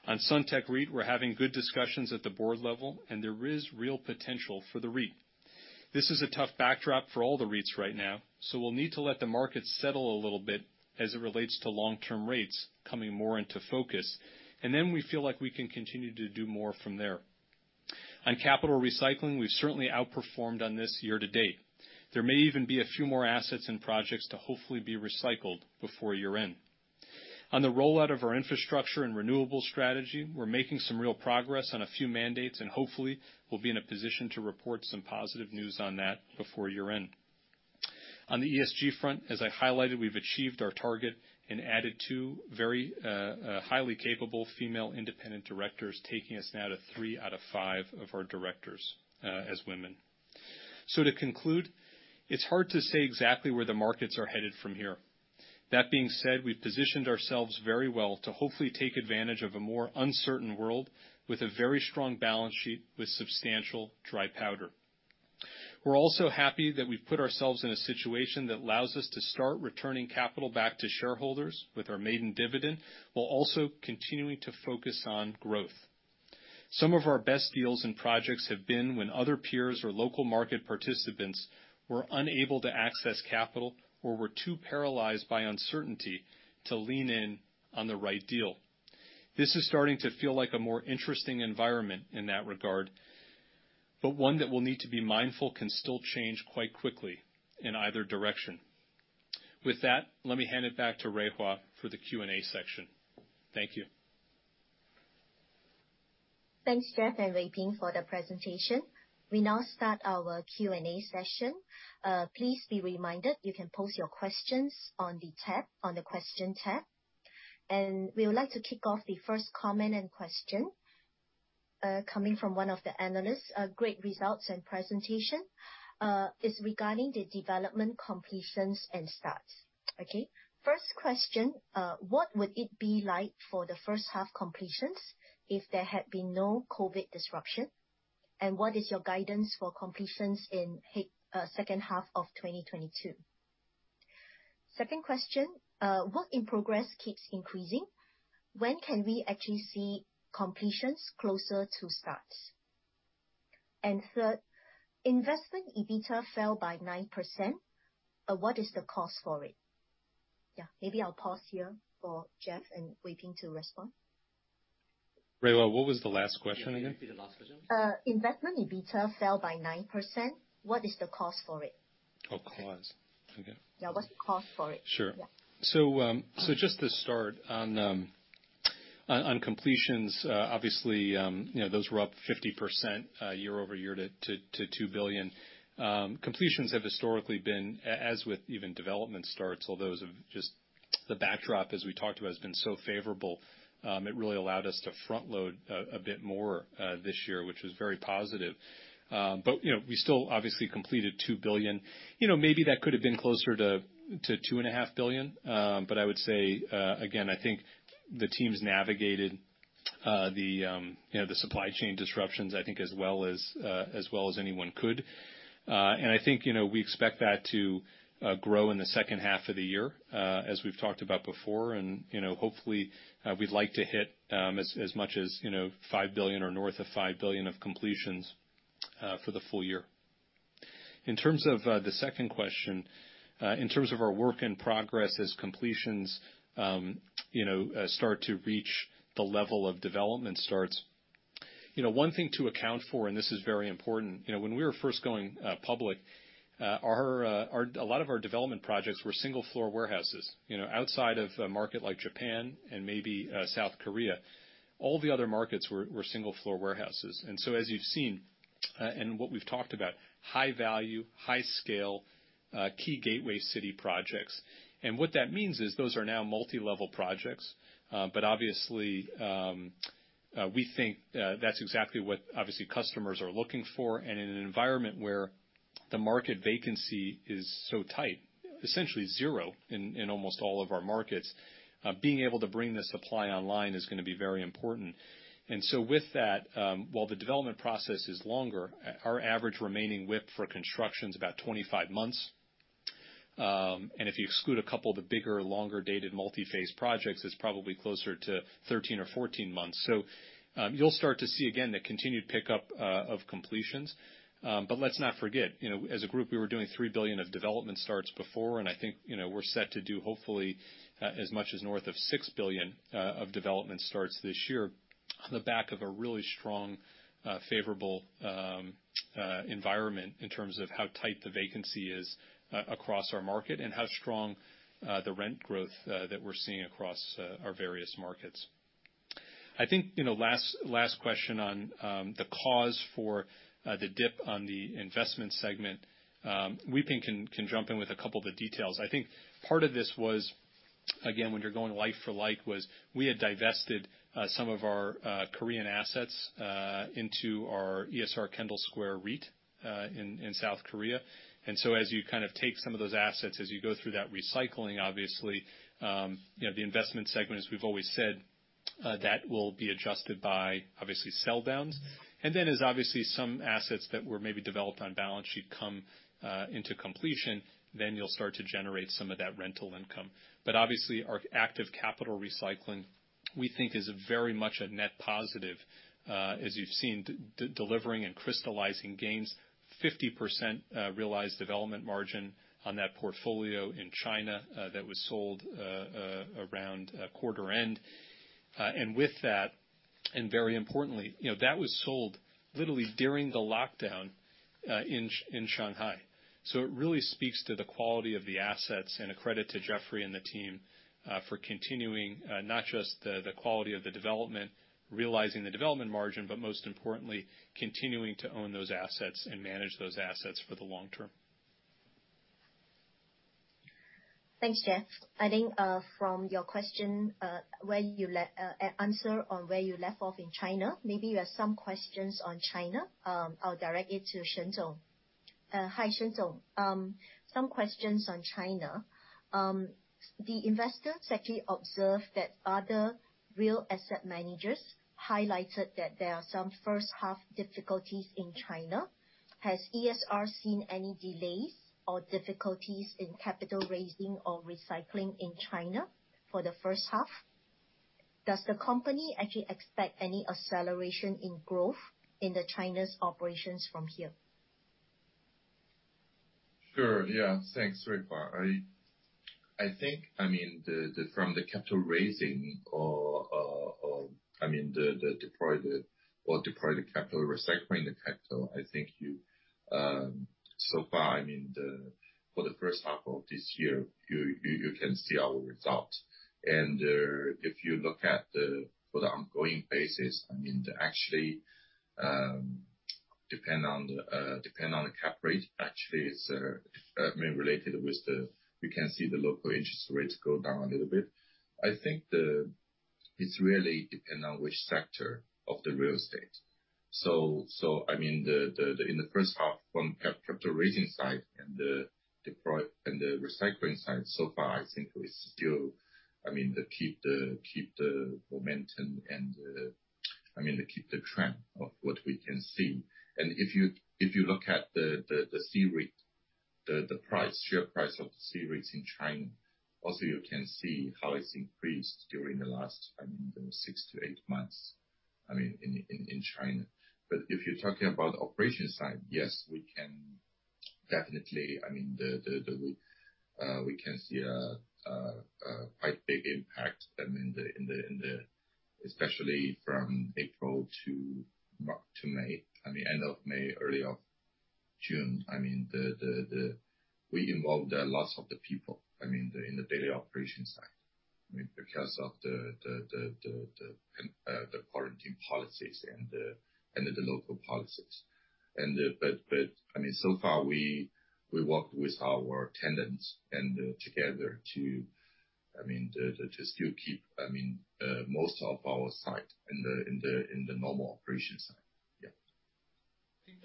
On Suntec REIT, we're having good discussions at the board level, and there is real potential for the REIT. This is a tough backdrop for all the REITs right now, so we'll need to let the market settle a little bit as it relates to long-term rates coming more into focus, and then we feel like we can continue to do more from there. On capital recycling, we've certainly outperformed on this year to date. There may even be a few more assets and projects to hopefully be recycled before year-end. On the rollout of our infrastructure and renewable strategy, we're making some real progress on a few mandates, and hopefully, we'll be in a position to report some positive news on that before year-end. On the ESG front, as I highlighted, we've achieved our target and added two very, highly capable female independent directors, taking us now to three out of five of our directors, as women. To conclude, it's hard to say exactly where the markets are headed from here. That being said, we've positioned ourselves very well to hopefully take advantage of a more uncertain world with a very strong balance sheet with substantial dry powder. We're also happy that we've put ourselves in a situation that allows us to start returning capital back to shareholders with our maiden dividend, while also continuing to focus on growth. Some of our best deals and projects have been when other peers or local market participants were unable to access capital or were too paralyzed by uncertainty to lean in on the right deal. This is starting to feel like a more interesting environment in that regard, but one that we'll need to be mindful can still change quite quickly in either direction. With that, let me hand it back to Rui Hua for the Q&A section. Thank you. Thanks, Jeff and Wee Peng, for the presentation. We now start our Q&A session. Please be reminded you can pose your questions on the tab, on the Question tab. We would like to kick off the first comment and question, coming from one of the analysts, great results and presentation. It's regarding the development completions and starts, okay? First question, what would it be like for the first half completions if there had been no COVID disruption? What is your guidance for completions in second half of 2022? Second question, work in progress keeps increasing. When can we actually see completions closer to starts? Third, investment EBITDA fell by 9%. What is the cause for it? Yeah, maybe I'll pause here for Jeff and Wee Peng to respond. Rui Hua, what was the last question again? Can you repeat the last question? Investment EBITDA fell by 9%. What is the cause for it? Oh, 'cause. Okay. Yeah, what's the cause for it? Sure. Just to start on completions. Obviously, you know, those were up 50% year-over-year to $2 billion. Completions have historically been as with even development starts, although those have just. The backdrop as we talked about has been so favorable, it really allowed us to front-load a bit more this year, which was very positive. You know, we still obviously completed $2 billion. You know, maybe that could have been closer to $2.5 billion. But I would say, again, I think the teams navigated the, you know, the supply chain disruptions I think as well as anyone could. I think, you know, we expect that to grow in the second half of the year, as we've talked about before. You know, hopefully, we'd like to hit, as much as, you know, $5 billion or north of $5 billion of completions, for the full year. In terms of the second question, in terms of our work in progress as completions, you know, start to reach the level of development starts. You know, one thing to account for, and this is very important, you know, when we were first going public, our, a lot of our development projects were single floor warehouses. You know, outside of a market like Japan and maybe South Korea, all the other markets were single floor warehouses. As you've seen, and what we've talked about, high value, high scale, key gateway city projects. What that means is those are now multi-level projects. Obviously, we think that's exactly what obviously customers are looking for. In an environment where the market vacancy is so tight, essentially zero in almost all of our markets, being able to bring the supply online is gonna be very important. With that, while the development process is longer, our average remaining WIP for construction is about 25 months. If you exclude a couple of the bigger, longer dated multi-phase projects, it's probably closer to 13 or 14 months. You'll start to see again the continued pickup of completions. Let's not forget, you know, as a group, we were doing $3 billion of development starts before, and I think, you know, we're set to do hopefully, as much as north of $6 billion, of development starts this year on the back of a really strong, favorable, environment in terms of how tight the vacancy is across our market and how strong, the rent growth, that we're seeing across, our various markets. I think, you know, last question on, the cause for, the dip on the investment segment, Wee Peng can jump in with a couple of the details. I think part of this was, again, when you're going like for like, was we had divested, some of our, Korean assets, into our ESR Kendall Square REIT, in South Korea. As you kind of take some of those assets, as you go through that recycling, obviously, you know, the investment segment, as we've always said, that will be adjusted by obviously sell downs. As obviously some assets that were maybe developed on balance sheet come into completion, then you'll start to generate some of that rental income. Obviously, our active capital recycling, we think is very much a net positive, as you've seen delivering and crystallizing gains, 50% realized development margin on that portfolio in China that was sold around quarter end. With that, and very importantly, you know, that was sold literally during the lockdown in Shanghai. It really speaks to the quality of the assets and a credit to Jeffrey and the team for continuing not just the quality of the development, realizing the development margin, but most importantly, continuing to own those assets and manage those assets for the long term. Thanks, Jeff. I think, from your question, where you left off in China, maybe you have some questions on China. I'll direct it to Shen Jinchu. Hi, Shen Jinchu. Some questions on China. The investors actually observed that other real asset managers highlighted that there are some first half difficulties in China. Has ESR seen any delays or difficulties in capital raising or recycling in China for the first half? Does the company actually expect any acceleration in growth in China's operations from here? Sure. Yeah. Thanks, Rui Hua. I think from the capital raising or deploy the capital, recycling the capital. I think so far for the first half of this year you can see our results. If you look at the for the ongoing basis actually depend on the cap rate. Actually it's related with the we can see the local interest rates go down a little bit. I think it's really depend on which sector of the real estate. I mean, in the first half from capital raising side and the deployment and the recycling side, so far, I think we still keep the momentum and keep the trend of what we can see. If you look at the C-REIT, the share price of the C-REITs in China. Also, you can see how it's increased during the last six to eight months in China. If you're talking about operation side, yes, we can definitely see a quite big impact, especially from April to May, end of May, early June. I mean, we involved lots of the people, I mean, in the daily operations side. I mean, because of the quarantine policies and the local policies. I mean, so far, we worked with our tenants and together to I mean, to still keep, I mean, most of our site in the normal operations side.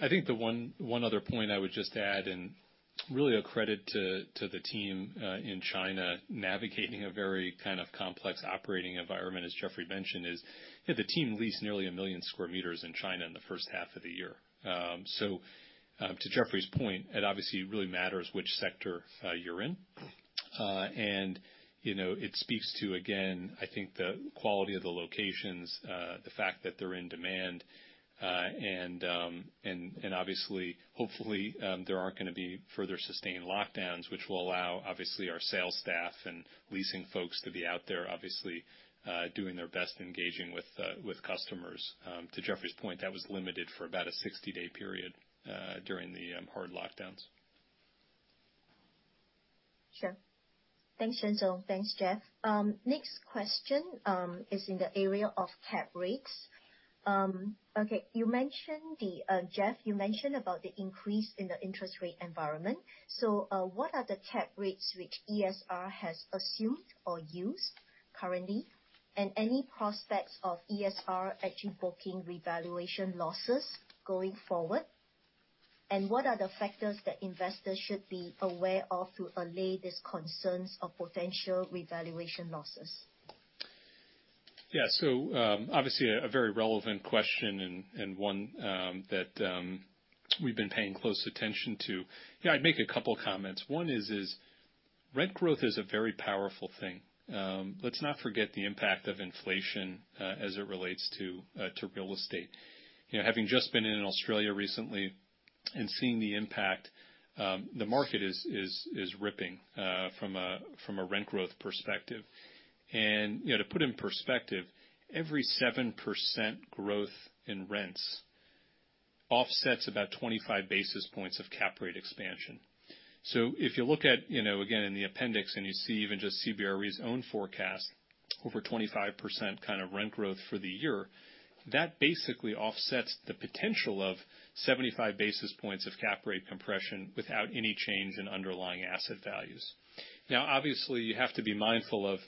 I think one other point I would just add, and really a credit to the team in China navigating a very kind of complex operating environment, as Jeffrey mentioned, is, you know, the team leased nearly 1 million square meters in China in the first half of the year. So, to Jeffrey's point, it obviously really matters which sector you're in. And, you know, it speaks to, again, I think the quality of the locations, the fact that they're in demand, and obviously, hopefully, there aren't gonna be further sustained lockdowns, which will allow, obviously, our sales staff and leasing folks to be out there, obviously, doing their best, engaging with customers. To Jeffrey's point, that was limited for about a 60-day period during the hard lockdowns. Sure. Thanks, Jinchu. Thanks, Jeff. Next question is in the area of cap rates. Jeff, you mentioned about the increase in the interest rate environment. What are the cap rates which ESR has assumed or used currently? And any prospects of ESR actually booking revaluation losses going forward? And what are the factors that investors should be aware of to allay these concerns of potential revaluation losses? Yeah. Obviously a very relevant question and one that we've been paying close attention to. Yeah, I'd make a couple comments. One is rent growth is a very powerful thing. Let's not forget the impact of inflation as it relates to real estate. You know, having just been in Australia recently and seeing the impact, the market is ripping from a rent growth perspective. You know, to put in perspective, every 7% growth in rents offsets about 25 basis points of cap rate expansion. If you look at, you know, again, in the appendix, and you see even just CBRE's own forecast, over 25% kind of rent growth for the year, that basically offsets the potential of 75 basis points of cap rate compression without any change in underlying asset values. Now, obviously, you have to be mindful of,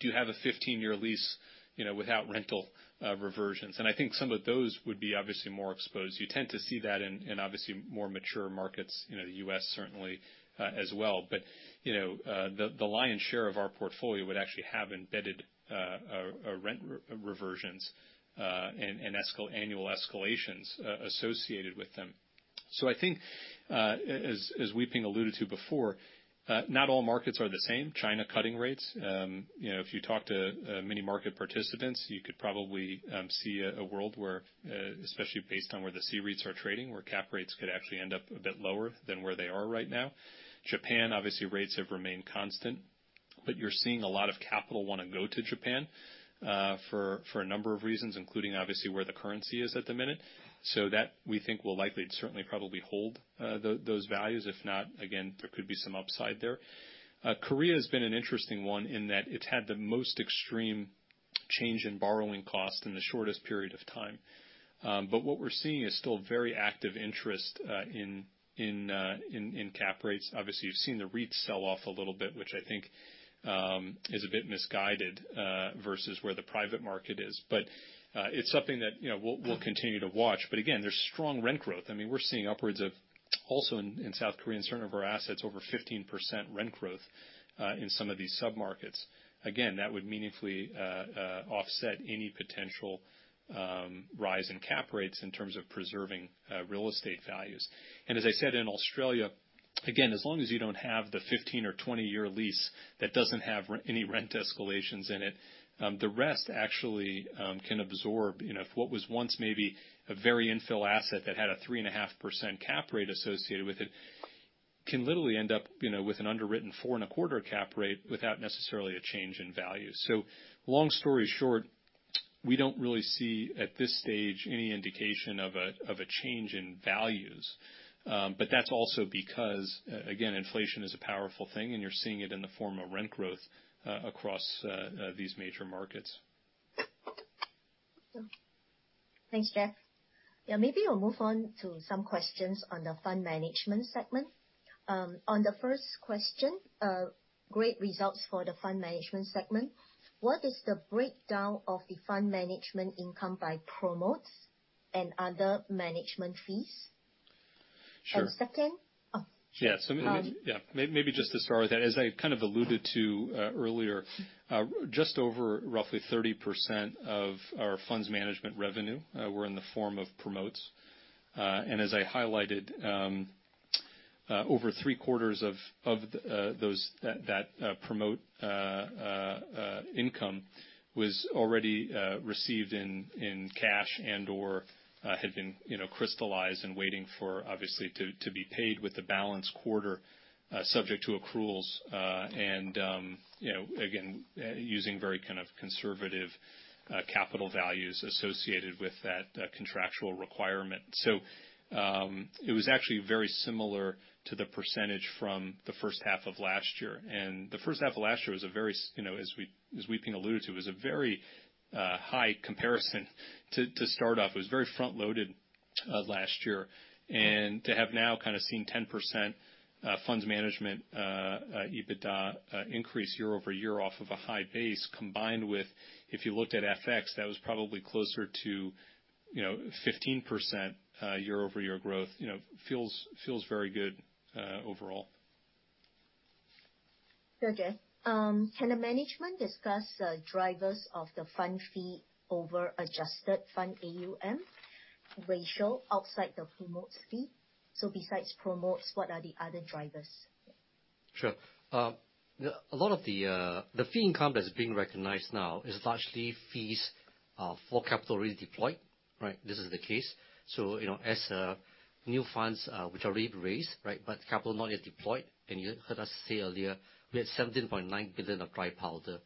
do you have a 15-year lease, you know, without rental reversions? I think some of those would be obviously more exposed. You tend to see that in obviously more mature markets, you know, the U.S. certainly, as well. You know, the lion's share of our portfolio would actually have embedded rent reversions, and annual escalations associated with them. I think, as Wee Peng alluded to before, not all markets are the same. China cutting rates. You know, if you talk to many market participants, you could probably see a world where, especially based on where the cap rates are trading, cap rates could actually end up a bit lower than where they are right now. Japan, obviously rates have remained constant, but you're seeing a lot of capital wanna go to Japan for a number of reasons, including obviously where the currency is at the minute. That we think will likely and certainly probably hold those values. If not, again, there could be some upside there. Korea has been an interesting one in that it's had the most extreme change in borrowing cost in the shortest period of time. What we're seeing is still very active interest in cap rates. Obviously, you've seen the REITs sell off a little bit, which I think is a bit misguided versus where the private market is. It's something that, you know, we'll continue to watch. Again, there's strong rent growth. I mean, we're seeing upwards of also in South Korea, in certain of our assets, over 15% rent growth in some of these sub-markets. Again, that would meaningfully offset any potential rise in cap rates in terms of preserving real estate values. as I said, in Australia, again, as long as you don't have the 15- or 20-year lease that doesn't have any rent escalations in it, the rest actually can absorb, you know, if what was once maybe a very infill asset that had a 3.5% cap rate associated with it can literally end up, you know, with an underwritten 4.25% cap rate without necessarily a change in value. Long story short, we don't really see at this stage any indication of a change in values. That's also because, again, inflation is a powerful thing, and you're seeing it in the form of rent growth across these major markets. Thanks, Jeff. Yeah, maybe I'll move on to some questions on the fund management segment. On the first question, great results for the fund management segment. What is the breakdown of the fund management income by promotes and other management fees? Sure. Second-- Yeah. Maybe just to start with that, as I kind of alluded to earlier, just over roughly 30% of our funds management revenue were in the form of promotes. As I highlighted, over three quarters of those promote income was already received in cash and/or had been, you know, crystallized and waiting for obviously to be paid with the balance quarter subject to accruals. You know, again, using very kind of conservative capital values associated with that contractual requirement. It was actually very similar to the percentage from the first half of last year. The first half of last year was a very, you know, as we, as Wee Peng alluded to, very high comparison to start off. It was very front-loaded last year. To have now kind of seen 10% funds management EBITDA increase year-over-year off of a high base combined with, if you looked at FX, that was probably closer to, you know, 15% year-over-year growth, you know, feels very good overall. So Jeff, can the management discuss drivers of the fund fee over adjusted fund AUM ratio outside the promotes fee? Besides promotes, what are the other drivers? Sure. A lot of the fee income that's being recognized now is largely fees for capital already deployed, right? This is the case. You know, as new funds which are already raised, right, but capital not yet deployed, and you heard us say earlier, we had $17.9 billion of dry powder.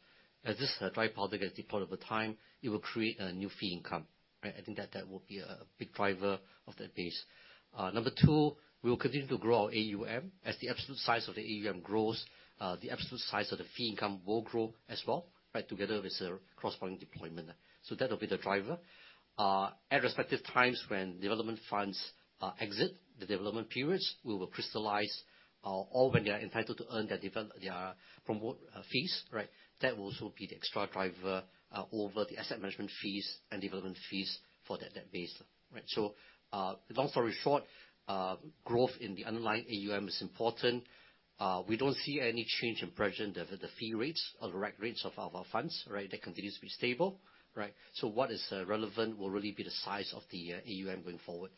As this dry powder gets deployed over time, it will create a new fee income, right? I think that will be a big driver of that base. Number two, we will continue to grow our AUM. As the absolute size of the AUM grows, the absolute size of the fee income will grow as well, right? Together with the cross-selling deployment. That will be the driver. At respective times when development funds exit the development periods, we will crystallize, or when they are entitled to earn their promote fees, right? That will also be the extra driver over the asset management fees and development fees for that base, right? Long story short, growth in the underlying AUM is important. We don't see any change in pricing of the fee rates or the rec rates of our funds, right? That continues to be stable, right? What is relevant will really be the size of the AUM going forward.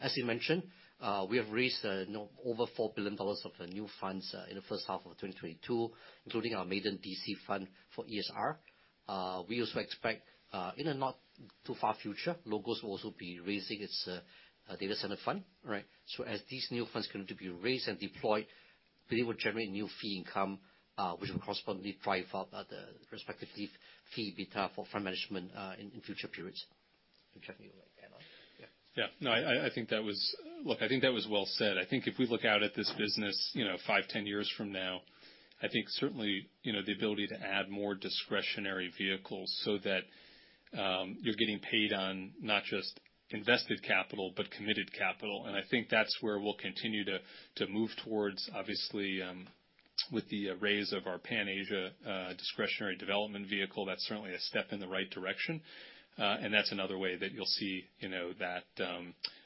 As you mentioned, we have raised over $4 billion of the new funds in the first half of 2022, including our maiden DC fund for ESR. We also expect in the not too far future, LOGOS will also be raising its data center fund, right? As these new funds continue to be raised and deployed, they will generate new fee income, which will correspondingly drive up the respective fee EBITDA for fund management in future periods. Jeffrey will add on. I think that was well said. I think if we look out at this business, you know, 5, 10 years from now, I think certainly, you know, the ability to add more discretionary vehicles so that you're getting paid on not just invested capital but committed capital, and I think that's where we'll continue to move towards. Obviously, with the raise of our Pan-Asia discretionary development vehicle, that's certainly a step in the right direction. And that's another way that you'll see, you know, that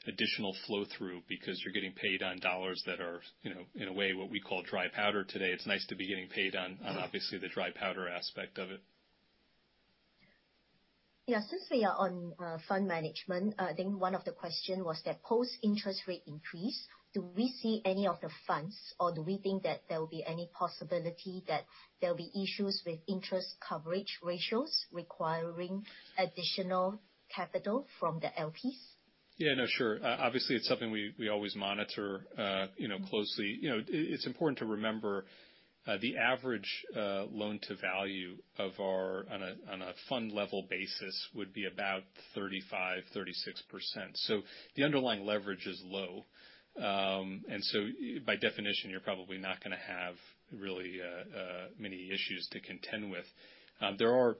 additional flow through because you're getting paid on dollars that are, you know, in a way, what we call dry powder today. It's nice to be getting paid on obviously the dry powder aspect of it. Since we are on fund management, I think one of the questions was that post-interest rate increase, do we see any of the funds, or do we think that there will be any possibility that there'll be issues with interest coverage ratios requiring additional capital from the LPs? Yeah. No, sure. Obviously, it's something we always monitor, you know, closely. You know, it's important to remember the average loan-to-value of ours on a fund level basis would be about 35%, 36%. So the underlying leverage is low. By definition, you're probably not gonna have really many issues to contend with. There are,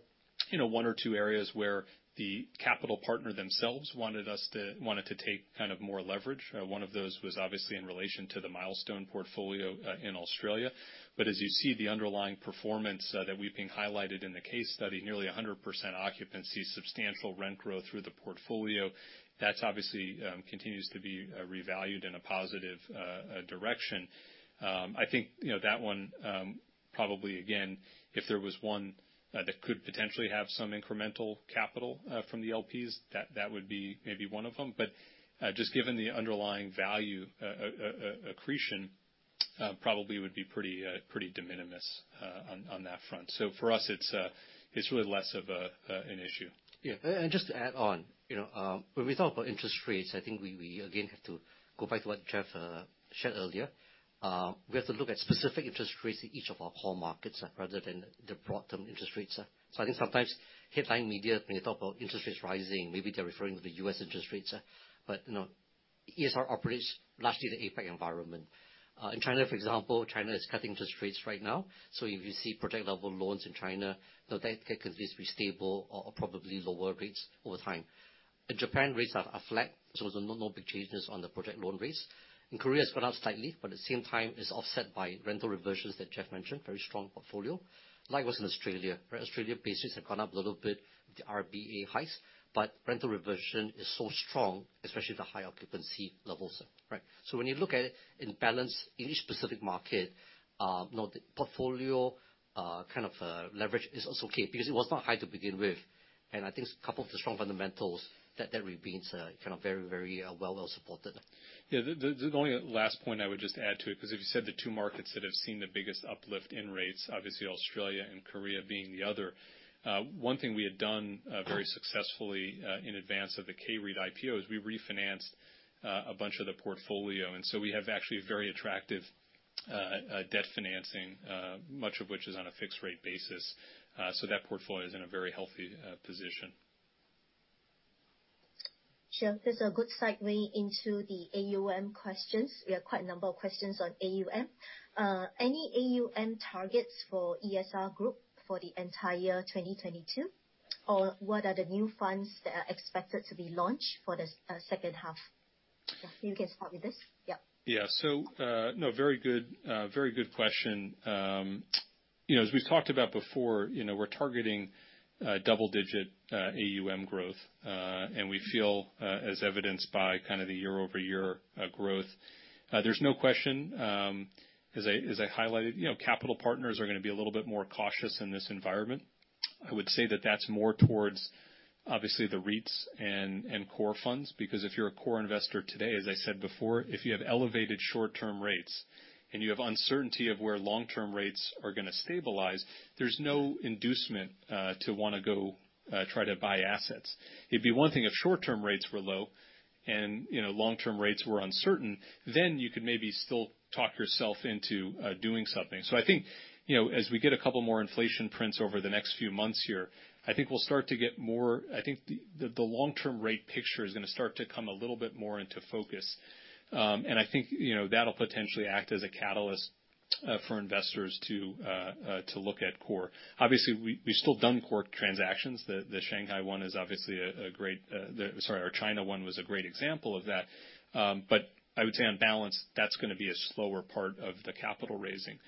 you know, one or two areas where the capital partner themselves wanted to take kind of more leverage. One of those was obviously in relation to the Milestone Portfolio in Australia. As you see the underlying performance that Wee Peng highlighted in the case study, nearly 100% occupancy, substantial rent growth through the portfolio, that's obviously continues to be revalued in a positive direction. I think, you know, that one probably, again, if there was one that could potentially have some incremental capital from the LPs, that would be maybe one of them. Just given the underlying value accretion, probably would be pretty de minimis on that front. For us, it's really less of an issue. Just to add on, you know, when we talk about interest rates, I think we again have to go back to what Jeff shared earlier. We have to look at specific interest rates in each of our core markets rather than the broad term interest rates. I think sometimes headline media, when you talk about interest rates rising, maybe they're referring to the U.S. interest rates. You know, ESR operates largely in the APAC environment. In China, for example, China is cutting interest rates right now. If you see project level loans in China, you know, that can continue to be stable or probably lower rates over time. In Japan, rates are flat, so there's no big changes on the project loan rates. In Korea, it's gone up slightly, but at the same time, it's offset by rental reversions that Jeff mentioned. Very strong portfolio. Like what's in Australia, right? Australian base rates have gone up a little bit with the RBA hikes, but rental reversion is so strong, especially the high occupancy levels, right? So when you look at it in balance in each specific market, the portfolio kind of leverage is also okay because it was not high to begin with. I think coupled with the strong fundamentals that remains kind of very well supported. Yeah. The only last point I would just add to it, because if you said the two markets that have seen the biggest uplift in rates, obviously Australia and Korea being the other, one thing we had done very successfully in advance of the K-REIT IPO is we refinanced a bunch of the portfolio, and so we have actually very attractive debt financing, much of which is on a fixed rate basis, so that portfolio is in a very healthy position. Sure. That's a good segue into the AUM questions. We have quite a number of questions on AUM. Any AUM targets for ESR Group for the entire 2022? Or what are the new funds that are expected to be launched for the second half? Jeff, you can start with this. Yep. Yeah. No, very good question. You know, as we've talked about before, you know, we're targeting double-digit AUM growth, and we feel as evidenced by kind of the year-over-year growth. There's no question, as I highlighted, you know, capital partners are gonna be a little bit more cautious in this environment. I would say that that's more towards obviously the REITs and core funds. Because if you're a core investor today, as I said before, if you have elevated short-term rates, and you have uncertainty of where long-term rates are gonna stabilize, there's no inducement to wanna go try to buy assets. It'd be one thing if short-term rates were low and, you know, long-term rates were uncertain, then you could maybe still talk yourself into doing something. I think, you know, as we get a couple more inflation prints over the next few months here, I think the long-term rate picture is gonna start to come a little bit more into focus. I think, you know, that'll potentially act as a catalyst for investors to look at core. Obviously, we've still done core transactions. Our China one was a great example of that. I would say on balance, that's gonna be a slower part of the capital raising.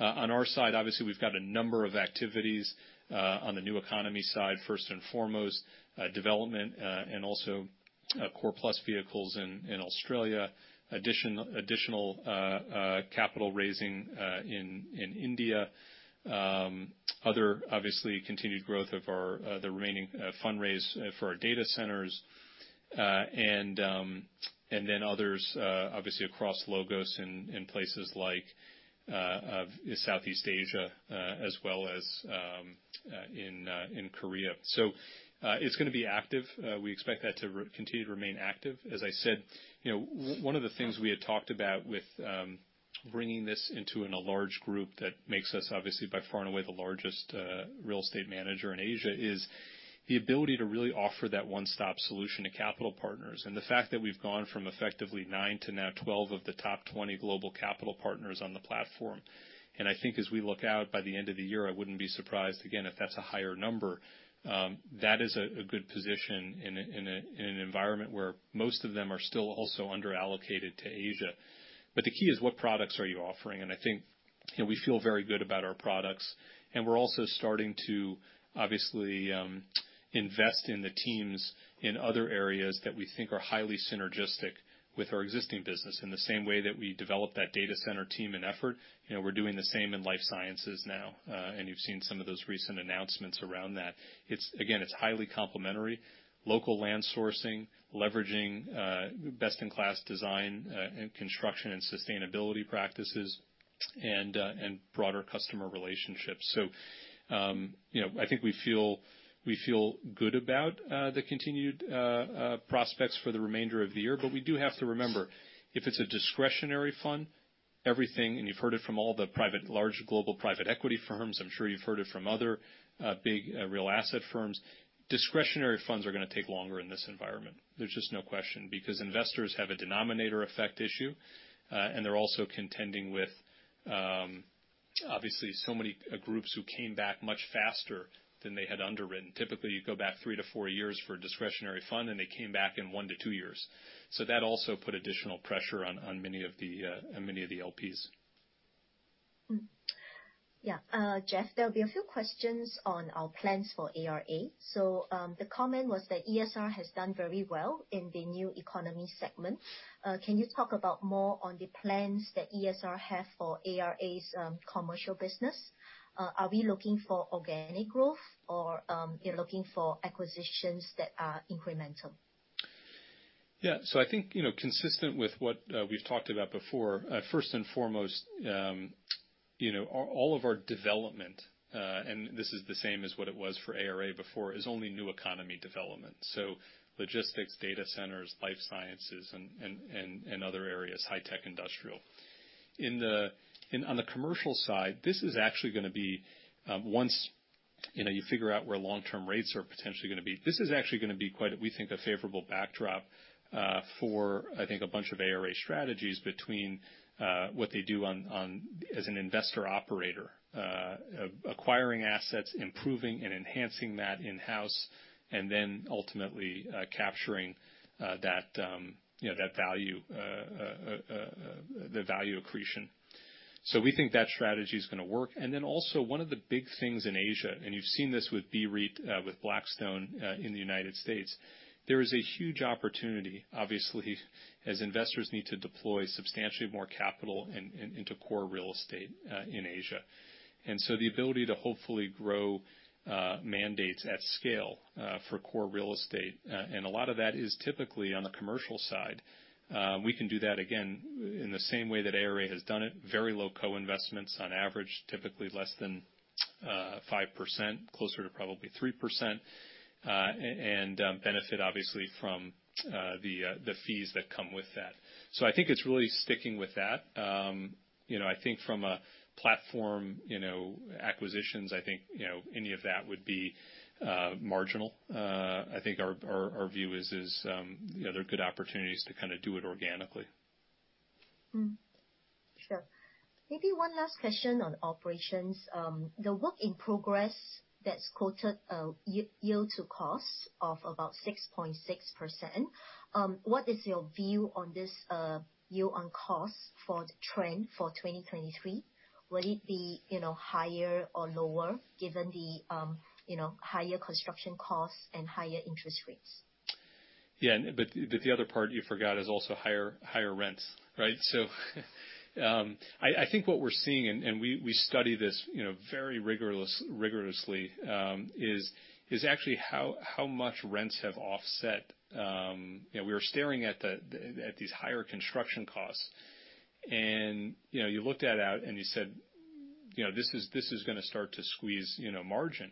On our side, obviously, we've got a number of activities on the new economy side, first and foremost, development and also core plus vehicles in Australia, additional capital raising in India. Others obviously continued growth of our the remaining fundraise for our data centers. And then others obviously across LOGOS in places like Southeast Asia as well as in Korea. It's gonna be active. We expect that to continue to remain active. As I said, you know, one of the things we had talked about with bringing this into a large group that makes us obviously by far and away the largest real estate manager in Asia is the ability to really offer that one-stop solution to capital partners. The fact that we've gone from effectively 9 to now 12 of the top 20 global capital partners on the platform, and I think as we look out, by the end of the year, I wouldn't be surprised again if that's a higher number. That is a good position in an environment where most of them are still also underallocated to Asia. The key is what products are you offering? I think, you know, we feel very good about our products, and we're also starting to obviously invest in the teams in other areas that we think are highly synergistic with our existing business. In the same way that we develop that data center team and effort, you know, we're doing the same in life sciences now. You've seen some of those recent announcements around that. It's again highly complementary. Local land sourcing, leveraging best in class design and construction and sustainability practices and broader customer relationships. I think we feel good about the continued prospects for the remainder of the year. We do have to remember, if it's a discretionary fund, everything, and you've heard it from all the private, large global private equity firms. I'm sure you've heard it from other big real asset firms. Discretionary funds are gonna take longer in this environment. There's just no question, because investors have a denominator effect issue, and they're also contending with obviously so many groups who came back much faster than they had underwritten. Typically, you go back three to four years for a discretionary fund, and they came back in one to two years. That also put additional pressure on many of the LPs. Yeah. Jeff, there'll be a few questions on our plans for ARA. The comment was that ESR has done very well in the new economy segment. Can you talk about more on the plans that ESR have for ARA's commercial business? Are we looking for organic growth or you're looking for acquisitions that are incremental? Yeah. I think, you know, consistent with what we've talked about before, first and foremost, you know, our all of our development, and this is the same as what it was for ARA before, is only new economy development. Logistics, data centers, life sciences, and other areas, high tech industrial. On the commercial side, this is actually gonna be once, you know, you figure out where long term rates are potentially gonna be. This is actually gonna be quite, we think, a favorable backdrop, for, I think, a bunch of ARA strategies between what they do on as an investor operator. Acquiring assets, improving and enhancing that in-house, and then ultimately capturing that, you know, that value, the value accretion. We think that strategy is gonna work. One of the big things in Asia, and you've seen this with BREIT, with Blackstone, in the United States. There is a huge opportunity, obviously, as investors need to deploy substantially more capital into core real estate in Asia. The ability to hopefully grow mandates at scale for core real estate. A lot of that is typically on the commercial side. We can do that again in the same way that ARA has done it, very low co-investments on average, typically less than 5%, closer to probably 3%, and benefit obviously from the fees that come with that. I think it's really sticking with that. You know, I think from a platform, you know, acquisitions, I think, you know, any of that would be marginal. I think our view is, you know, there are good opportunities to kinda do it organically. Sure. Maybe one last question on operations. The work in progress that's quoted, yield on cost of about 6.6%, what is your view on this, yield on cost for the trend for 2023? Will it be, you know, higher or lower given the, you know, higher construction costs and higher interest rates? Yeah, the other part you forgot is also higher rents, right? I think what we're seeing, and we study this, you know, very rigorously, is actually how much rents have offset. You know, we were staring at these higher construction costs. You know, you looked at that and you said, you know, this is gonna start to squeeze margin.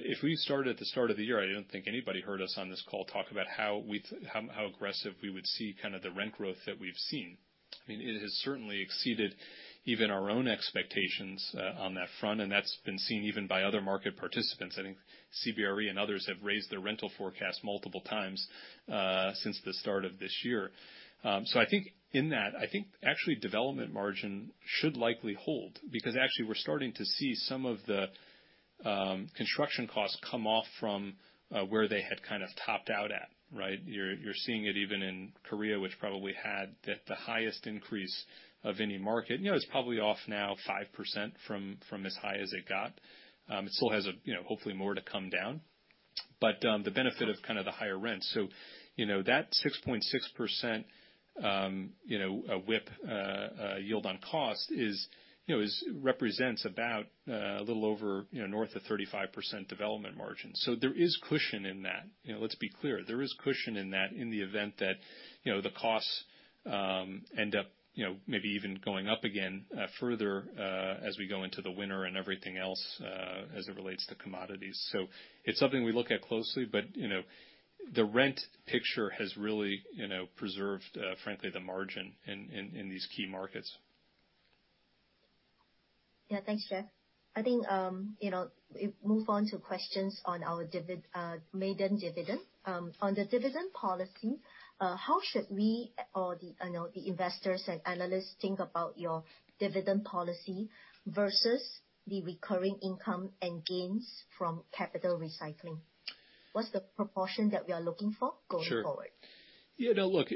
If we started at the start of the year, I don't think anybody heard us on this call talk about how aggressive we would see kind of the rent growth that we've seen. I mean, it has certainly exceeded even our own expectations on that front, and that's been seen even by other market participants. I think CBRE and others have raised their rental forecast multiple times since the start of this year. I think in that, I think actually development margin should likely hold because actually we're starting to see some of the construction costs come off from where they had kind of topped out at, right? You're seeing it even in Korea, which probably had the highest increase of any market. You know, it's probably off now 5% from as high as it got. It still has a, you know, hopefully more to come down, but the benefit of kind of the higher rent. You know, that 6.6%, you know, WIP yield on cost, you know, represents about a little over, you know, north of 35% development margin. There is cushion in that. You know, let's be clear. There is cushion in that in the event that, you know, the costs end up, you know, maybe even going up again, further, as we go into the winter and everything else, as it relates to commodities. It's something we look at closely, but, you know, the rent picture has really, you know, preserved, frankly, the margin in these key markets. Yeah. Thanks, Jeff. I think, you know, we move on to questions on our maiden dividend. On the dividend policy, how should we or the, you know, the investors and analysts think about your dividend policy versus the recurring income and gains from capital recycling? What's the proportion that we are looking for going forward? Sure. Yeah, no, look,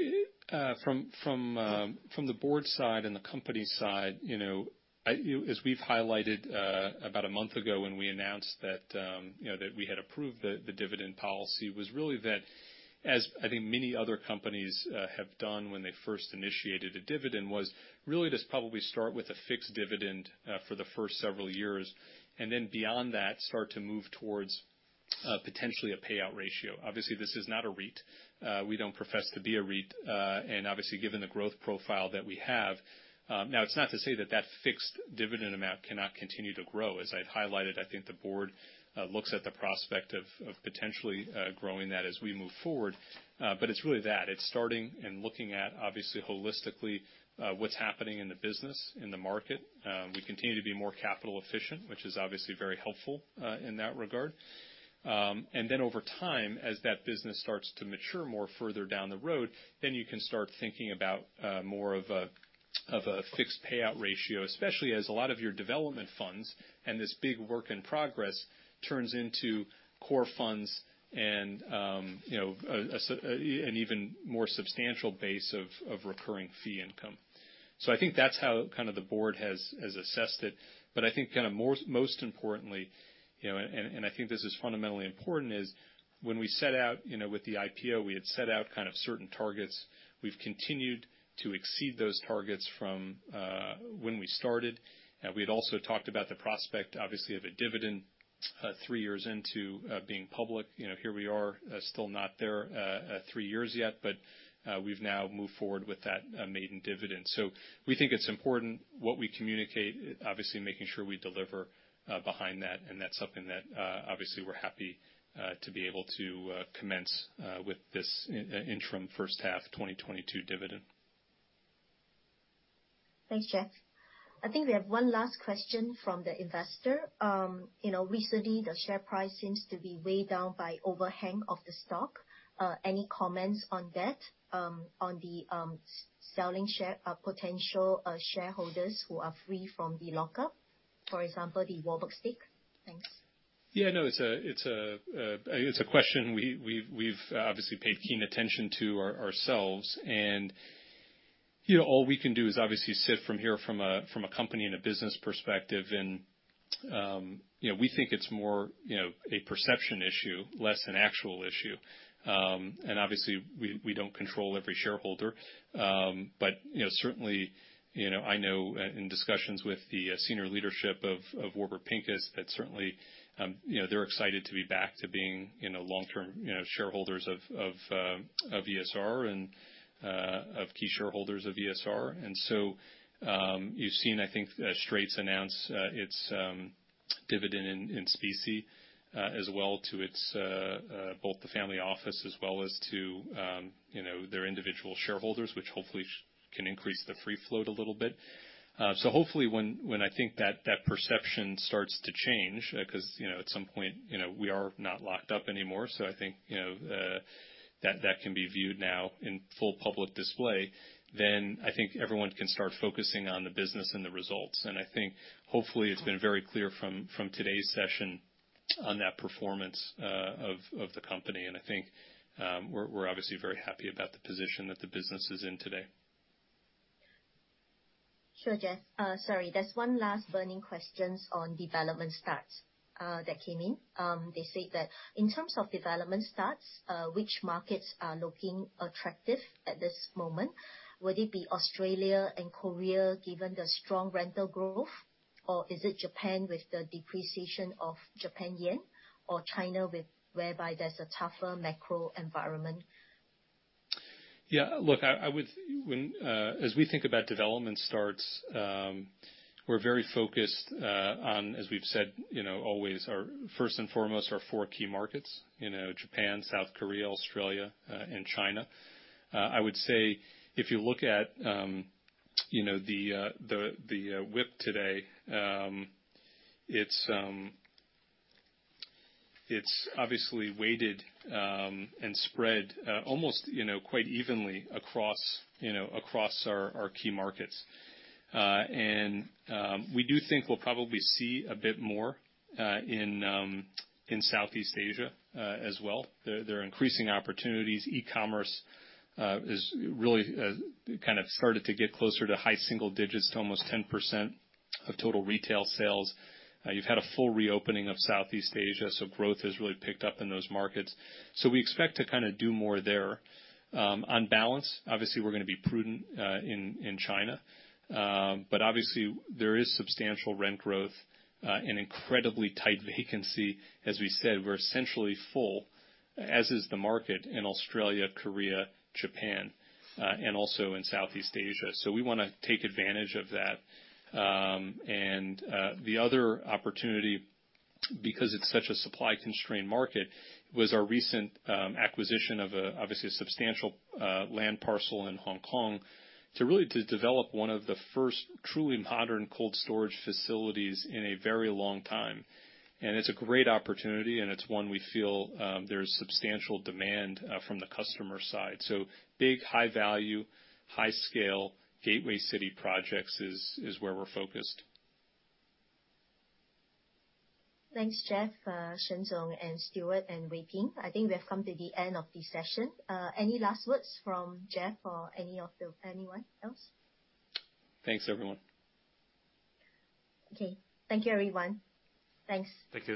from the board side and the company side, you know, as we've highlighted, about a month ago when we announced that, you know, that we had approved the dividend policy, was really that as I think many other companies have done when they first initiated a dividend was really just probably start with a fixed dividend for the first several years. Then beyond that, start to move towards potentially a payout ratio. Obviously, this is not a REIT. We don't profess to be a REIT. And obviously, given the growth profile that we have. Now, it's not to say that that fixed dividend amount cannot continue to grow. As I'd highlighted, I think the board looks at the prospect of potentially growing that as we move forward. It's really that. It's starting and looking at, obviously, holistically, what's happening in the business, in the market. We continue to be more capital efficient, which is obviously very helpful in that regard. And then over time, as that business starts to mature more further down the road, then you can start thinking about more of a fixed payout ratio, especially as a lot of your development funds and this big work in progress turns into core funds and, you know, an even more substantial base of recurring fee income. I think that's how kind of the board has assessed it. I think kinda more, most importantly, you know, I think this is fundamentally important, is when we set out, you know, with the IPO, we had set out kind of certain targets. We've continued to exceed those targets from when we started. We had also talked about the prospect, obviously, of a dividend, three years into being public. You know, here we are, still not there three years yet, but we've now moved forward with that, maiden dividend. We think it's important what we communicate, obviously making sure we deliver behind that, and that's something that, obviously we're happy to be able to commence with this interim first half 2022 dividend. Thanks, Jeff. I think we have one last question from the investor. You know, recently, the share price seems to be weighed down by overhang of the stock. Any comments on that, on the selling pressure, potential shareholders who are free from the lockup, for example, the Warburg Pincus? Thanks. Yeah, no, it's a question we've obviously paid keen attention to ourselves. You know, all we can do is obviously sit here from a company and a business perspective. You know, we think it's more a perception issue, less an actual issue. Obviously we don't control every shareholder. You know, certainly, I know in discussions with the senior leadership of Warburg Pincus that certainly they're excited to be back to being long-term shareholders of ESR and of key shareholders of ESR. You've seen, I think, Straits announce its dividend in specie as well to its both the family office as well as to, you know, their individual shareholders, which hopefully can increase the free float a little bit. Hopefully when I think that perception starts to change, 'cause, you know, at some point, you know, we are not locked up anymore, so I think, you know, that can be viewed now in full public display, then I think everyone can start focusing on the business and the results. I think hopefully it's been very clear from today's session on that performance of the company. I think we're obviously very happy about the position that the business is in today. Sure, Jeff. Sorry, there's one last burning questions on development stats that came in. They say that in terms of development stats, which markets are looking attractive at this moment? Would it be Australia and Korea, given the strong rental growth? Or is it Japan with the depreciation of Japanese yen or China with whereby there's a tougher macro environment? Look, when as we think about development starts, we're very focused on, as we've said, you know, always our first and foremost, our four key markets, you know, Japan, South Korea, Australia and China. I would say if you look at, you know, the WIP today, it's obviously weighted and spread, almost, you know, quite evenly across our key markets. We do think we'll probably see a bit more in Southeast Asia as well. There are increasing opportunities. E-commerce is really kind of started to get closer to high single digits to almost 10% of total retail sales. You've had a full reopening of Southeast Asia, so growth has really picked up in those markets. We expect to kinda do more there. On balance, obviously we're gonna be prudent in China. Obviously there is substantial rent growth and incredibly tight vacancy. As we said, we're essentially full, as is the market in Australia, Korea, Japan, and also in Southeast Asia, so we wanna take advantage of that. The other opportunity, because it's such a supply-constrained market, was our recent acquisition of obviously a substantial land parcel in Hong Kong to really develop one of the first truly modern cold storage facilities in a very long time. It's a great opportunity, and it's one we feel there's substantial demand from the customer side. Big, high value, high scale gateway city projects is where we're focused. Thanks, Jeff, Shen Jinchu and Stuart and Wee Peng. I think we have come to the end of the session. Any last words from Jeff or anyone else? Thanks, everyone. Okay. Thank you, everyone. Thanks. Thank you.